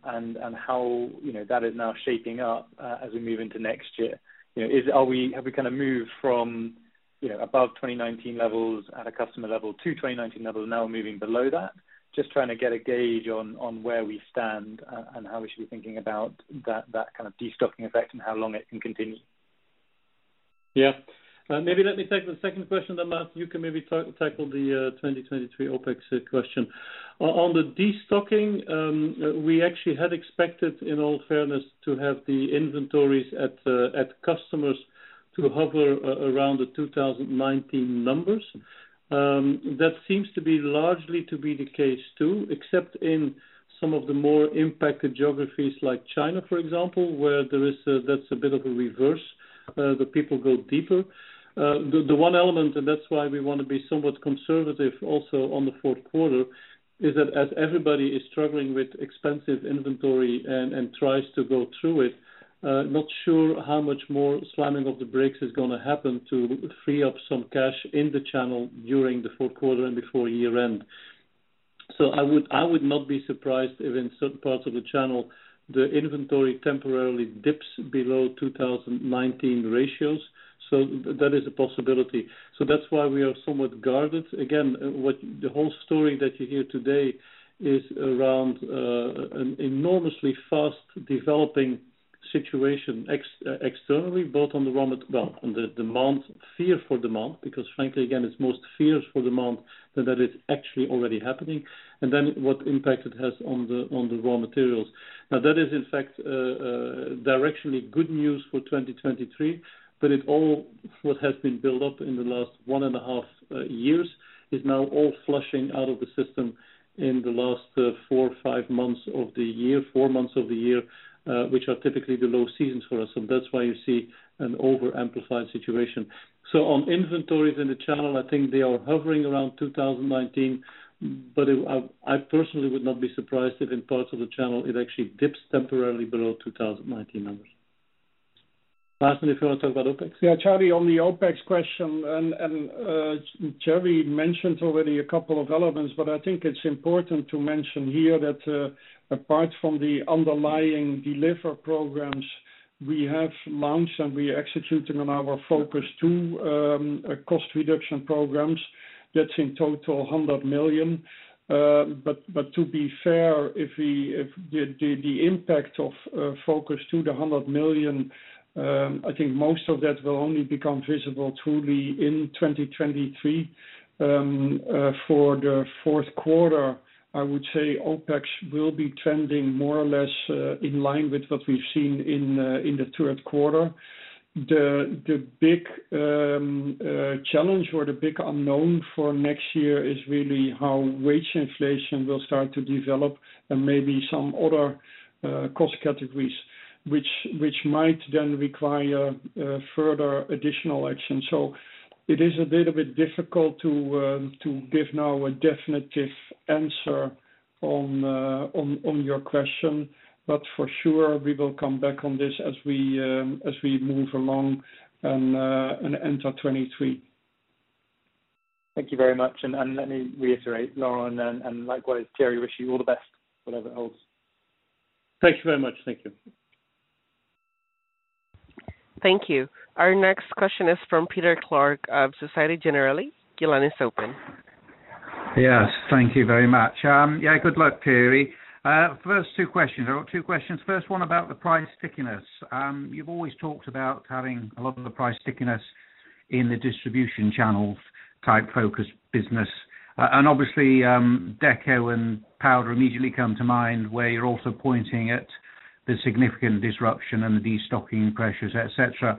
how, you know, that is now shaping up, as we move into next year? You know, have we kind of moved from, you know, above 2019 levels at a customer level to 2019 levels now moving below that? Just trying to get a gauge on where we stand, and how we should be thinking about that kind of destocking effect and how long it can continue. Yeah. Maybe let me take the second question then, Maarten. You can maybe tackle the 2023 OpEx question. On the destocking, we actually had expected, in all fairness, to have the inventories at customers to hover around the 2019 numbers. That seems to be largely the case too, except in some of the more impacted geographies like China, for example, where there is a bit of a reverse, the people go deeper. The one element, and that's why we want to be somewhat conservative also on the fourth quarter, is that as everybody is struggling with expensive inventory and tries to go through it, not sure how much more slamming of the brakes is gonna happen to free up some cash in the channel during the fourth quarter and before year-end. I would not be surprised if in certain parts of the channel, the inventory temporarily dips below 2019 ratios. That is a possibility. That's why we are somewhat guarded. Again, the whole story that you hear today is around an enormously fast developing situation externally, both on the raw materials, well, on the demand, fear for demand, because frankly, again, it's more fear for demand than what is actually happening, and then what impact it has on the raw materials. That is in fact directionally good news for 2023, but it all what has been built up in the last one and a half years is now all flushing out of the system in the last four or five months of the year, which are typically the low seasons for us, and that's why you see an overamplified situation. On inventories in the channel, I think they are hovering around 2019, but it, I personally would not be surprised if in parts of the channel it actually dips temporarily below 2019 numbers. Maarten, if you want to talk about OpEx. Yeah, Charlie, on the OpEx question, and Thierry mentioned already a couple of elements, but I think it's important to mention here that apart from the underlying delivery programs we have launched and we are executing on our Focus Two cost reduction programs, that's in total 100 million. To be fair, the impact of Focus Two, the 100 million, I think most of that will only become visible truly in 2023. For the fourth quarter, I would say OpEx will be trending more or less in line with what we've seen in the third quarter. The big challenge or the big unknown for next year is really how wage inflation will start to develop and maybe some other cost categories, which might then require further additional action. It is a little bit difficult to give now a definitive answer on your question. For sure, we will come back on this as we move along and enter 2023. Thank you very much. Let me reiterate, Laurent, and likewise, Thierry, wish you all the best, whatever it holds. Thank you very much. Thank you. Thank you. Our next question is from Peter Clark of Société Générale. Your line is open. Yes. Thank you very much. Yeah, good luck, Thierry Vanlancker. First two questions. I've got two questions. First one about the price stickiness. You've always talked about having a lot of the price stickiness in the distribution channels type focus business. And obviously, Deco and Powder immediately come to mind, where you're also pointing at the significant disruption and the destocking pressures, et cetera.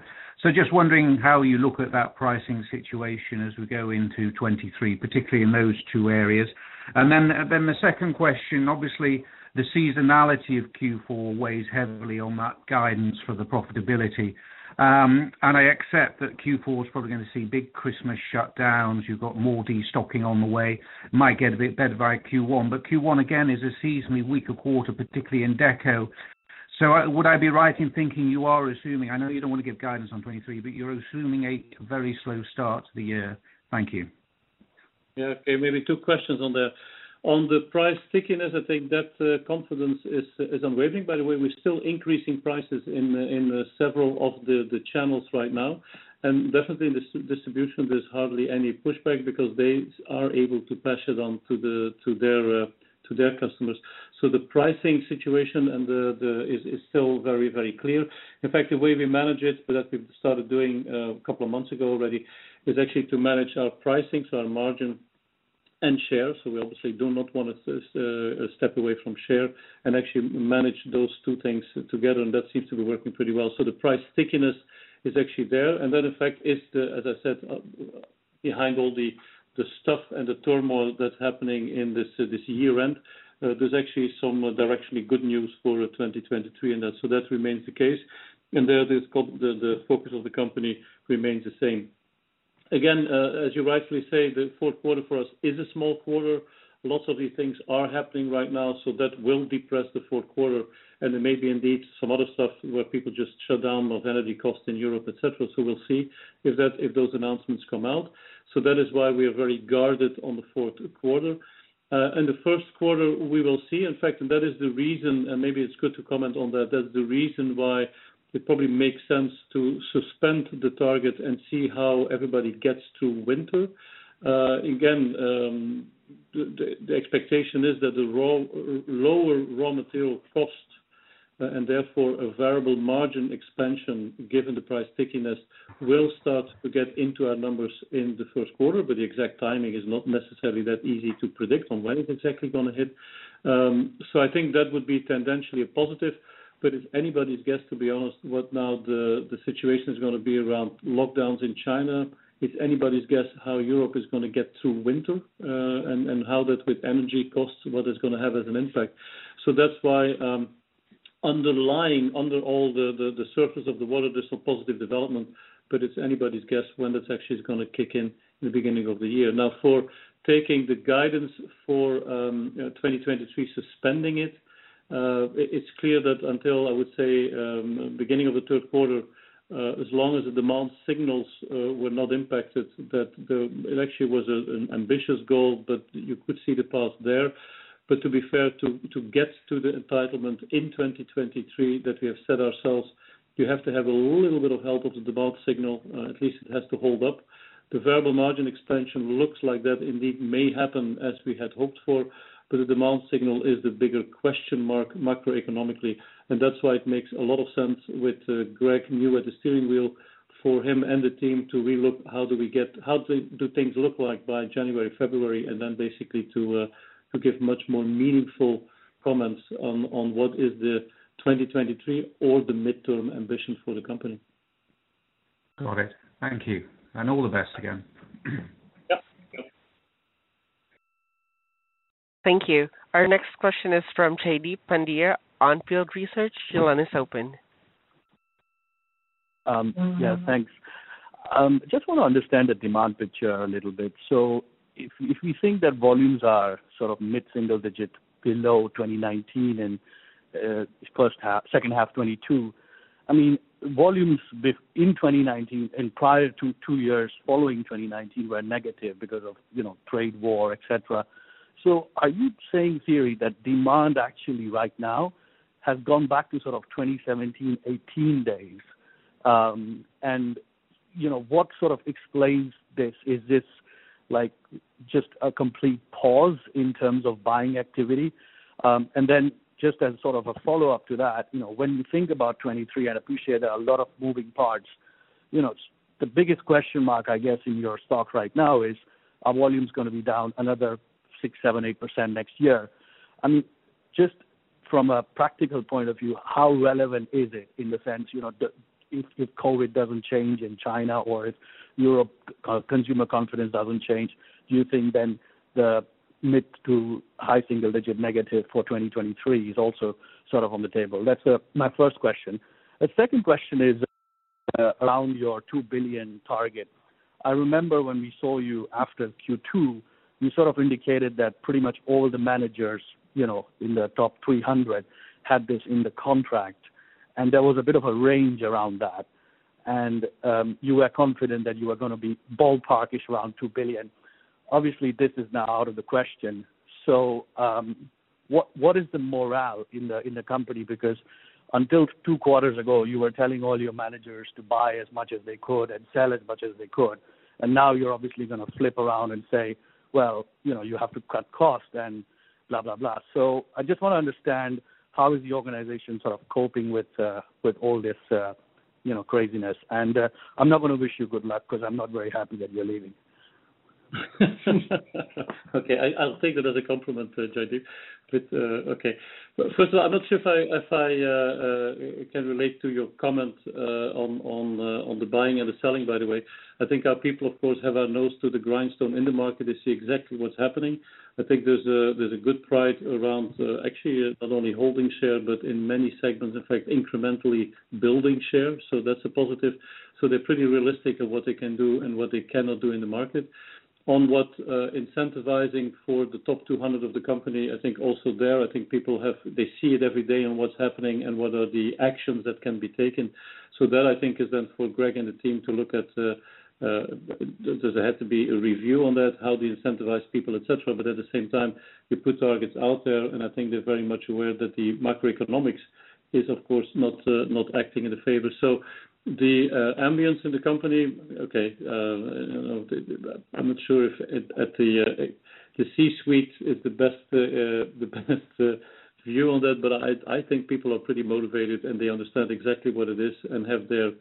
Just wondering how you look at that pricing situation as we go into 2023, particularly in those two areas. The second question, obviously, the seasonality of Q4 weighs heavily on that guidance for the profitability. I accept that Q4 is probably gonna see big Christmas shutdowns. You've got more destocking on the way, might get a bit better by Q1, but Q1 again is a seasonally weaker quarter, particularly in Deco. Would I be right in thinking you are assuming, I know you don't want to give guidance on 2023, but you're assuming a very slow start to the year? Thank you. Yeah. Okay. Maybe two questions on the price stickiness. I think that confidence is unwavering. By the way, we're still increasing prices in several of the channels right now. Definitely in this distribution, there's hardly any pushback because they are able to pass it on to their customers. The pricing situation is still very, very clear. In fact, the way we manage it, that we've started doing a couple of months ago already, is actually to manage our pricing, so our margin and share. We obviously do not want to step away from share and actually manage those two things together, and that seems to be working pretty well. The price stickiness is actually there. That effect is the, as I said, behind all the stuff and the turmoil that's happening in this year-end, there's actually some directionally good news for 2023, and that so that remains the case. The focus of the company remains the same. Again, as you rightly say, the fourth quarter for us is a small quarter. Lots of these things are happening right now, so that will depress the fourth quarter. There may be indeed some other stuff where people just shut down because of energy costs in Europe, et cetera. We'll see if those announcements come out. That is why we are very guarded on the fourth quarter. The first quarter we will see. In fact, that is the reason, and maybe it's good to comment on that's the reason why it probably makes sense to suspend the target and see how everybody gets through winter. Again, the expectation is that the lower raw material cost, and therefore a variable margin expansion, given the price stickiness, will start to get into our numbers in the first quarter, but the exact timing is not necessarily that easy to predict on when it's exactly gonna hit. So I think that would be tendentially a positive, but it's anybody's guess, to be honest, what now the situation is gonna be around lockdowns in China. It's anybody's guess how Europe is gonna get through winter, and how that with energy costs, what it's gonna have as an impact. That's why underlying under all the surface of the water, there's some positive development, but it's anybody's guess when that actually is gonna kick in the beginning of the year. Now, for taking the guidance for you know 2023, suspending it's clear that until I would say beginning of the third quarter, as long as the demand signals were not impacted. It actually was an ambitious goal, but you could see the path there. To be fair, to get to the entitlement in 2023 that we have set ourselves, you have to have a little bit of help of the demand signal, at least it has to hold up. The variable margin expansion looks like that indeed may happen as we had hoped for, but the demand signal is the bigger question mark macroeconomically. That's why it makes a lot of sense with Greg now at the steering wheel for him and the team to relook how do things look like by January, February, and then basically to give much more meaningful comments on what is the 2023 or the midterm ambition for the company. Got it. Thank you. All the best again. Yep. Yep. Thank you. Our next question is from Jaideep Pandya, On Field Investment Research. Your line is open. Yeah, thanks. Just want to understand the demand picture a little bit. If we think that volumes are sort of mid-single digit below 2019 in this first half, second half 2022, I mean, volumes in 2019 and prior to two years following 2019 were negative because of, you know, trade war, et cetera. Are you saying, Thierry, that demand actually right now has gone back to sort of 2017, 2018 days? You know, what sort of explains this? Is this, like, just a complete pause in terms of buying activity? Just as sort of a follow-up to that, you know, when you think about 2023, I'd appreciate a lot of moving parts. You know, the biggest question mark, I guess, in your stock right now is, are volumes gonna be down another 6%-8% next year? I mean, just from a practical point of view, how relevant is it in the sense, you know, if COVID doesn't change in China or if Europe consumer confidence doesn't change, do you think then the mid- to high-single-digit negative for 2023 is also sort of on the table? That's my first question. A second question is around your 2 billion target. I remember when we saw you after Q2, you sort of indicated that pretty much all the managers, you know, in the top 300 had this in the contract, and there was a bit of a range around that. You were confident that you were gonna be ballpark-ish around 2 billion. Obviously, this is now out of the question. What is the morale in the company? Because until two quarters ago, you were telling all your managers to buy as much as they could and sell as much as they could. Now you're obviously gonna flip around and say, "Well, you know, you have to cut costs and blah, blah." I just wanna understand how is the organization sort of coping with all this, you know, craziness. I'm not gonna wish you good luck because I'm not very happy that you're leaving. Okay, I'll take that as a compliment, Jaideep. Okay. First of all, I'm not sure if I can relate to your comment on the buying and the selling, by the way. I think our people, of course, have our nose to the grindstone in the market. They see exactly what's happening. I think there's a good pride around actually not only holding share, but in many segments, in fact, incrementally building share. So that's a positive. So they're pretty realistic of what they can do and what they cannot do in the market. On what incentivizing for the top 200 of the company, I think also there, I think people have they see it every day on what's happening and what are the actions that can be taken. That, I think, is then for Greg and the team to look at, does it have to be a review on that? How do you incentivize people, et cetera? At the same time, we put targets out there, and I think they're very much aware that the macroeconomics is, of course, not acting in the favor. The ambiance in the company, okay, I don't know, the... I'm not sure if at the C-suite is the best view on that, but I think people are pretty motivated, and they understand exactly what it is and have their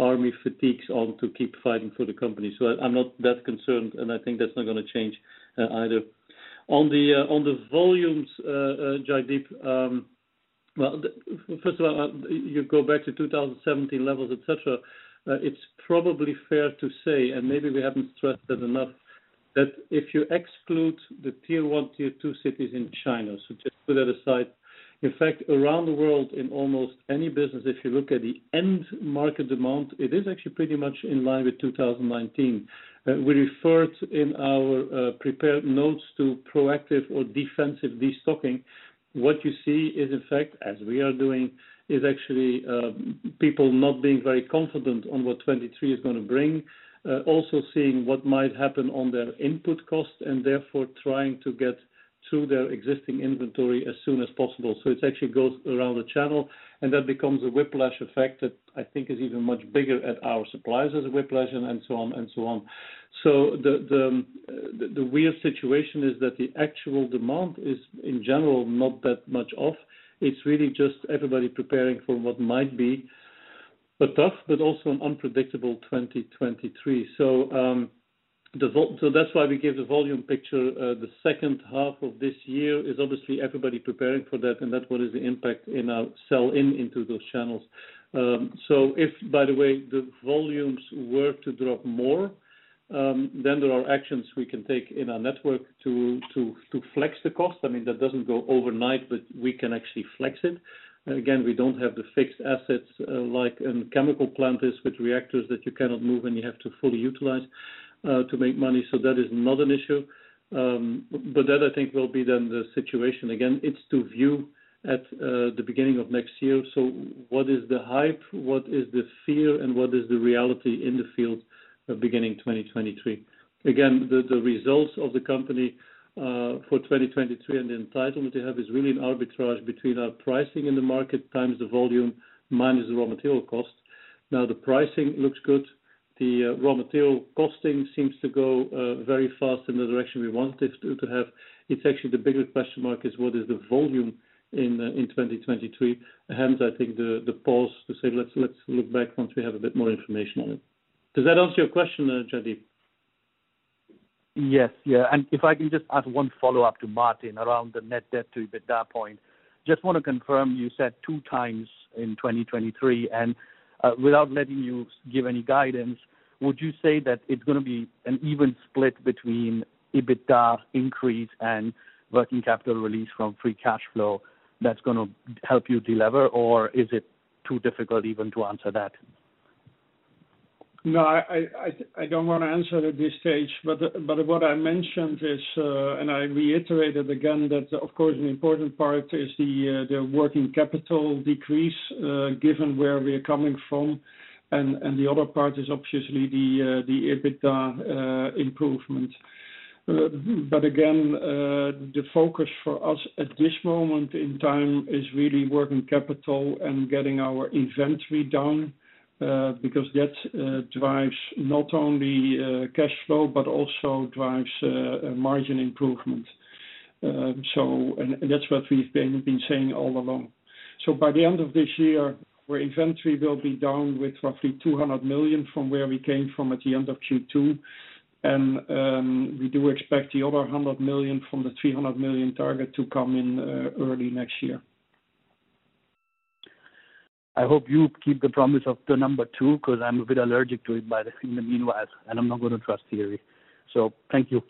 army fatigues on to keep fighting for the company. I'm not that concerned, and I think that's not gonna change, either. On the volumes, Jaideep. Well, first of all, you go back to 2017 levels, et cetera. It's probably fair to say, and maybe we haven't stressed it enough, that if you exclude the tier one, tier two cities in China, so just put that aside. In fact, around the world, in almost any business, if you look at the end market demand, it is actually pretty much in line with 2019. We referred in our prepared notes to proactive or defensive destocking. What you see is, in fact, as we are doing, is actually people not being very confident on what 2023 is gonna bring, also seeing what might happen on their input costs and therefore trying to get through their existing inventory as soon as possible. It actually goes around the channel, and that becomes a whiplash effect that I think is even much bigger at our suppliers as a whiplash and so on. The weird situation is that the actual demand is in general not that much off. It's really just everybody preparing for what might be a tough but also an unpredictable 2023. That's why we gave the volume picture. The second half of this year is obviously everybody preparing for that, and that one is the impact in our sell-in into those channels. If, by the way, the volumes were to drop more, then there are actions we can take in our network to flex the cost. I mean, that doesn't go overnight, but we can actually flex it. Again, we don't have the fixed assets, like in chemical plants with reactors that you cannot move, and you have to fully utilize, to make money. That is not an issue. That I think will be then the situation. Again, it's the view at the beginning of next year. What is the hype? What is the fear? And what is the reality in the field at the beginning of 2023? Again, the results of the company for 2023 and the entitlement they have is really an arbitrage between our pricing in the market times the volume minus the raw material cost. Now, the pricing looks good. The raw material costs seem to go very fast in the direction we want it to have. It's actually the bigger question mark is what is the volume in 2023. Hence, I think the pause to say, "Let's look back once we have a bit more information on it." Does that answer your question, Jaideep? Yes. Yeah. If I can just add one follow-up to Martin around the net debt to EBITDA point. Just want to confirm, you said 2x in 2023. Without letting you give any guidance, would you say that it's gonna be an even split between EBITDA increase and working capital release from free cash flow that's gonna help you delever, or is it too difficult even to answer that? No, I don't want to answer at this stage. What I mentioned is, and I reiterated again that of course an important part is the working capital decrease, given where we're coming from. The other part is obviously the EBITDA improvement. Again, the focus for us at this moment in time is really working capital and getting our inventory down, because that drives not only cash flow but also drives margin improvement. And that's what we've been saying all along. By the end of this year, our inventory will be down with roughly 200 million from where we came from at the end of Q2. We do expect the other 100 million from the 300 million target to come in early next year. I hope you keep the promise of the number two 'cause I'm a bit allergic to it in the meanwhile, and I'm not gonna trust theory. Thank you.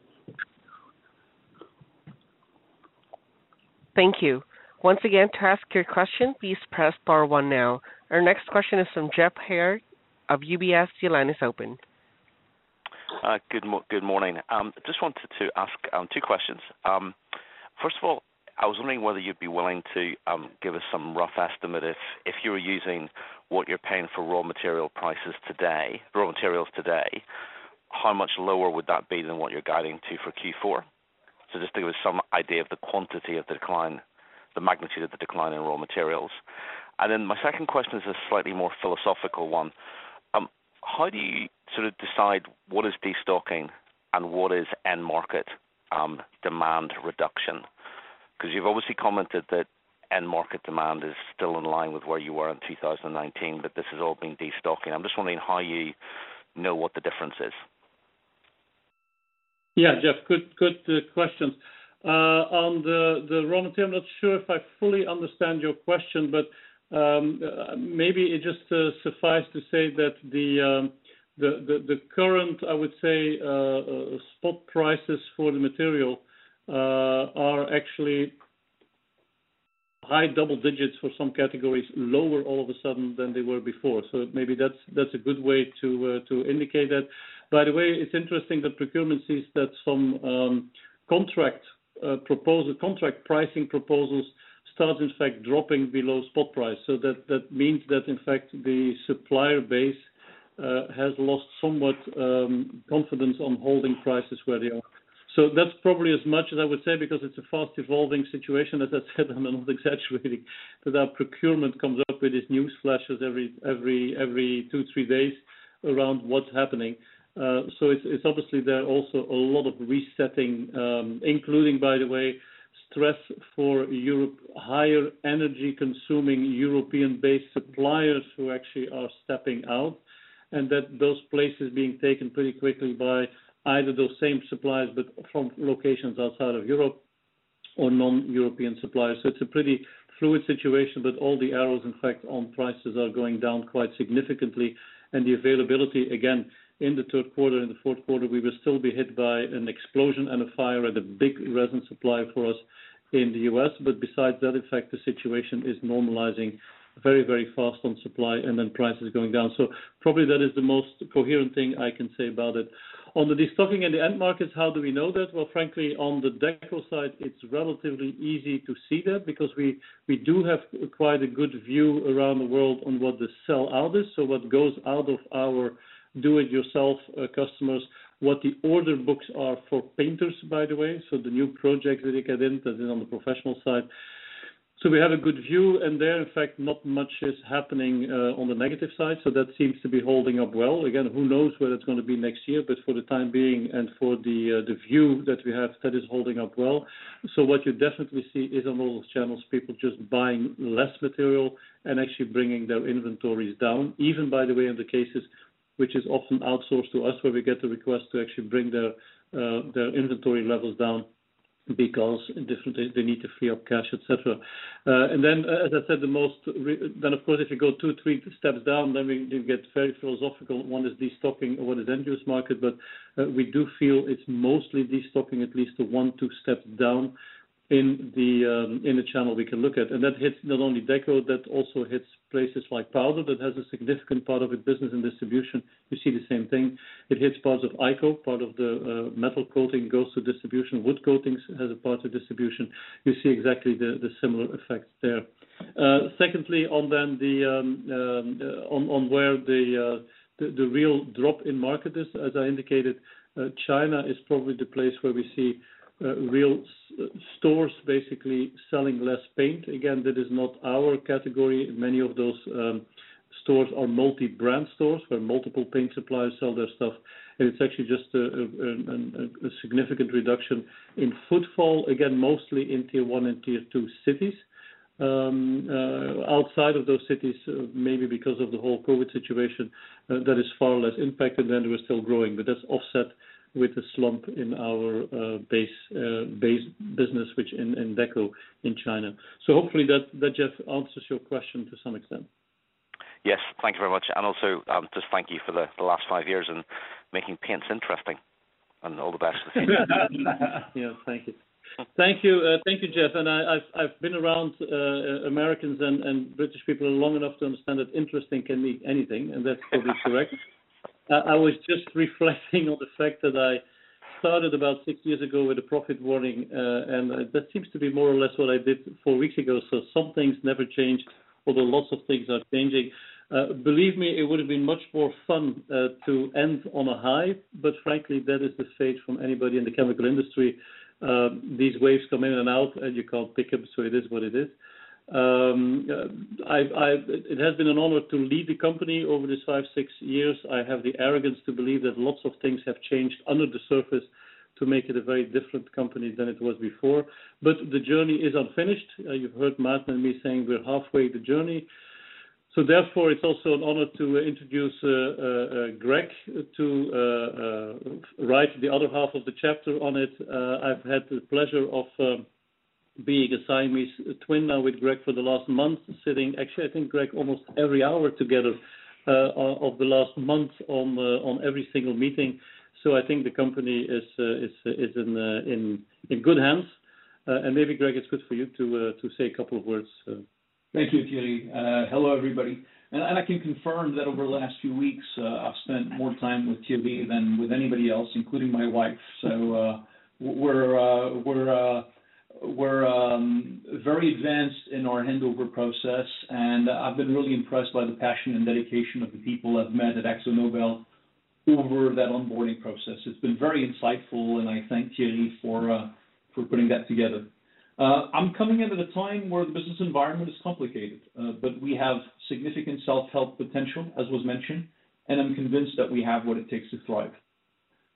Thank you. Once again, to ask your question, please press star one now. Our next question is from Geoff Haire of UBS. Your line is open. Good morning. Just wanted to ask two questions. First of all, I was wondering whether you'd be willing to give us some rough estimate if you were using what you're paying for raw materials today, how much lower would that be than what you're guiding to for Q4? So just to give us some idea of the quantity of the decline, the magnitude of the decline in raw materials. My second question is a slightly more philosophical one. How do you sort of decide what is destocking and what is end market demand reduction? 'Cause you've obviously commented that end market demand is still in line with where you were in 2019, but this has all been destocking. I'm just wondering how you know what the difference is. Yeah. Geoff, good questions. On the raw material, I'm not sure if I fully understand your question, but maybe it just suffice to say that the current, I would say, spot prices for the material are actually high double digits for some categories, lower all of a sudden than they were before. Maybe that's a good way to indicate that. By the way, it's interesting that procurement sees that some contract proposal contract pricing proposals start, in fact, dropping below spot price. That means that, in fact, the supplier base has lost somewhat confidence on holding prices where they are. That's probably as much as I would say because it's a fast evolving situation. As I said, I'm not exaggerating that our procurement comes up with these news flashes every two, three days around what's happening. It's obviously there are also a lot of resetting, including by the way, stress for Europe, higher energy consuming European-based suppliers who actually are stepping out, and that those places being taken pretty quickly by either those same suppliers, but from locations outside of Europe, or non-European suppliers. It's a pretty fluid situation, but all the arrows, in fact, on prices are going down quite significantly. The availability, again, in the third quarter, in the fourth quarter, we will still be hit by an explosion and a fire at a big resin supplier for us in the U.S. Besides that, in fact, the situation is normalizing very, very fast on supply and then prices going down. Probably that is the most coherent thing I can say about it. On the destocking in the end markets, how do we know that? Well, frankly, on the deco side, it's relatively easy to see that because we do have quite a good view around the world on what the sell out is. So what goes out of our do it yourself customers, what the order books are for painters, by the way, so the new projects that they get in that is on the professional side. So we have a good view, and there, in fact, not much is happening on the negative side, so that seems to be holding up well. Again, who knows where it's gonna be next year, but for the time being and for the view that we have, that is holding up well. What you definitely see is on all those channels, people just buying less material and actually bringing their inventories down. Even by the way, in the cases which is often outsourced to us, where we get the request to actually bring their their inventory levels down because otherwise they need to free up cash, et cetera. As I said, of course, if you go two, three steps down, then we get very philosophical. One is destocking or one is end use market. We do feel it's mostly destocking at least one, two steps down in the channel we can look at. That hits not only Deco, that also hits places like Powder that has a significant part of its business and distribution. You see the same thing. It hits parts of ICO. Part of the metal coating goes to distribution. Wood Coatings has a part of distribution. You see exactly the similar effects there. Secondly, on where the real drop in market is. As I indicated, China is probably the place where we see real stores basically selling less paint. Again, that is not our category. Many of those stores are multi-brand stores where multiple paint suppliers sell their stuff, and it's actually just a significant reduction in footfall. Again, mostly in tier one and tier two cities. Outside of those cities, maybe because of the whole COVID situation, that is far less impacted than we're still growing. But that's offset with a slump in our base business, which in Deco in China. Hopefully that, Geoff, answers your question to some extent. Yes, thank you very much. Also, just thank you for the last five years and making paints interesting and all the best. Yeah. Thank you, Geoff. I've been around Americans and British people long enough to understand that interesting can be anything, and that's probably correct. I was just reflecting on the fact that I started about six years ago with a profit warning, and that seems to be more or less what I did four weeks ago. Some things never change, although lots of things are changing. Believe me, it would have been much more fun to end on a high. Frankly, that is the fate of anybody in the chemical industry. These waves come in and out and you can't pick them. It is what it is. It has been an honor to lead the company over these five, six years. I have the arrogance to believe that lots of things have changed under the surface to make it a very different company than it was before. The journey is unfinished. You've heard Maarten and me saying we're halfway the journey. Therefore, it's also an honor to introduce Grégoire Poux-Guillaume to write the other half of the chapter on it. I've had the pleasure of being a Siamese twin now with Grégoire Poux-Guillaume for the last month, sitting, actually, I think, Grégoire Poux-Guillaume, almost every hour together of the last month on every single meeting. I think the company is in good hands. Maybe Grégoire Poux-Guillaume, it's good for you to say a couple of words. Thank you, Thierry. Hello, everybody. I can confirm that over the last few weeks, I've spent more time with Thierry than with anybody else, including my wife. We're very advanced in our handover process, and I've been really impressed by the passion and dedication of the people I've met at AkzoNobel over that onboarding process. It's been very insightful, and I thank Thierry for putting that together. I'm coming in at a time where the business environment is complicated, but we have significant self-help potential, as was mentioned, and I'm convinced that we have what it takes to thrive.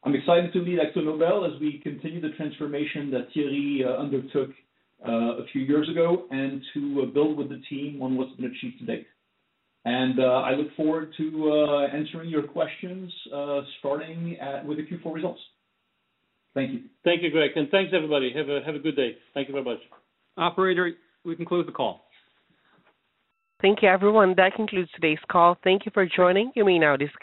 I'm excited to lead AkzoNobel as we continue the transformation that Thierry undertook a few years ago and to build with the team on what's been achieved to date. I look forward to answering your questions, starting with the Q4 results. Thank you. Thank you, Grégoire Poux-Guillaume, and thanks, everybody. Have a good day. Thank you very much. Operator, we can close the call. Thank you, everyone. That concludes today's call. Thank you for joining. You may now disconnect.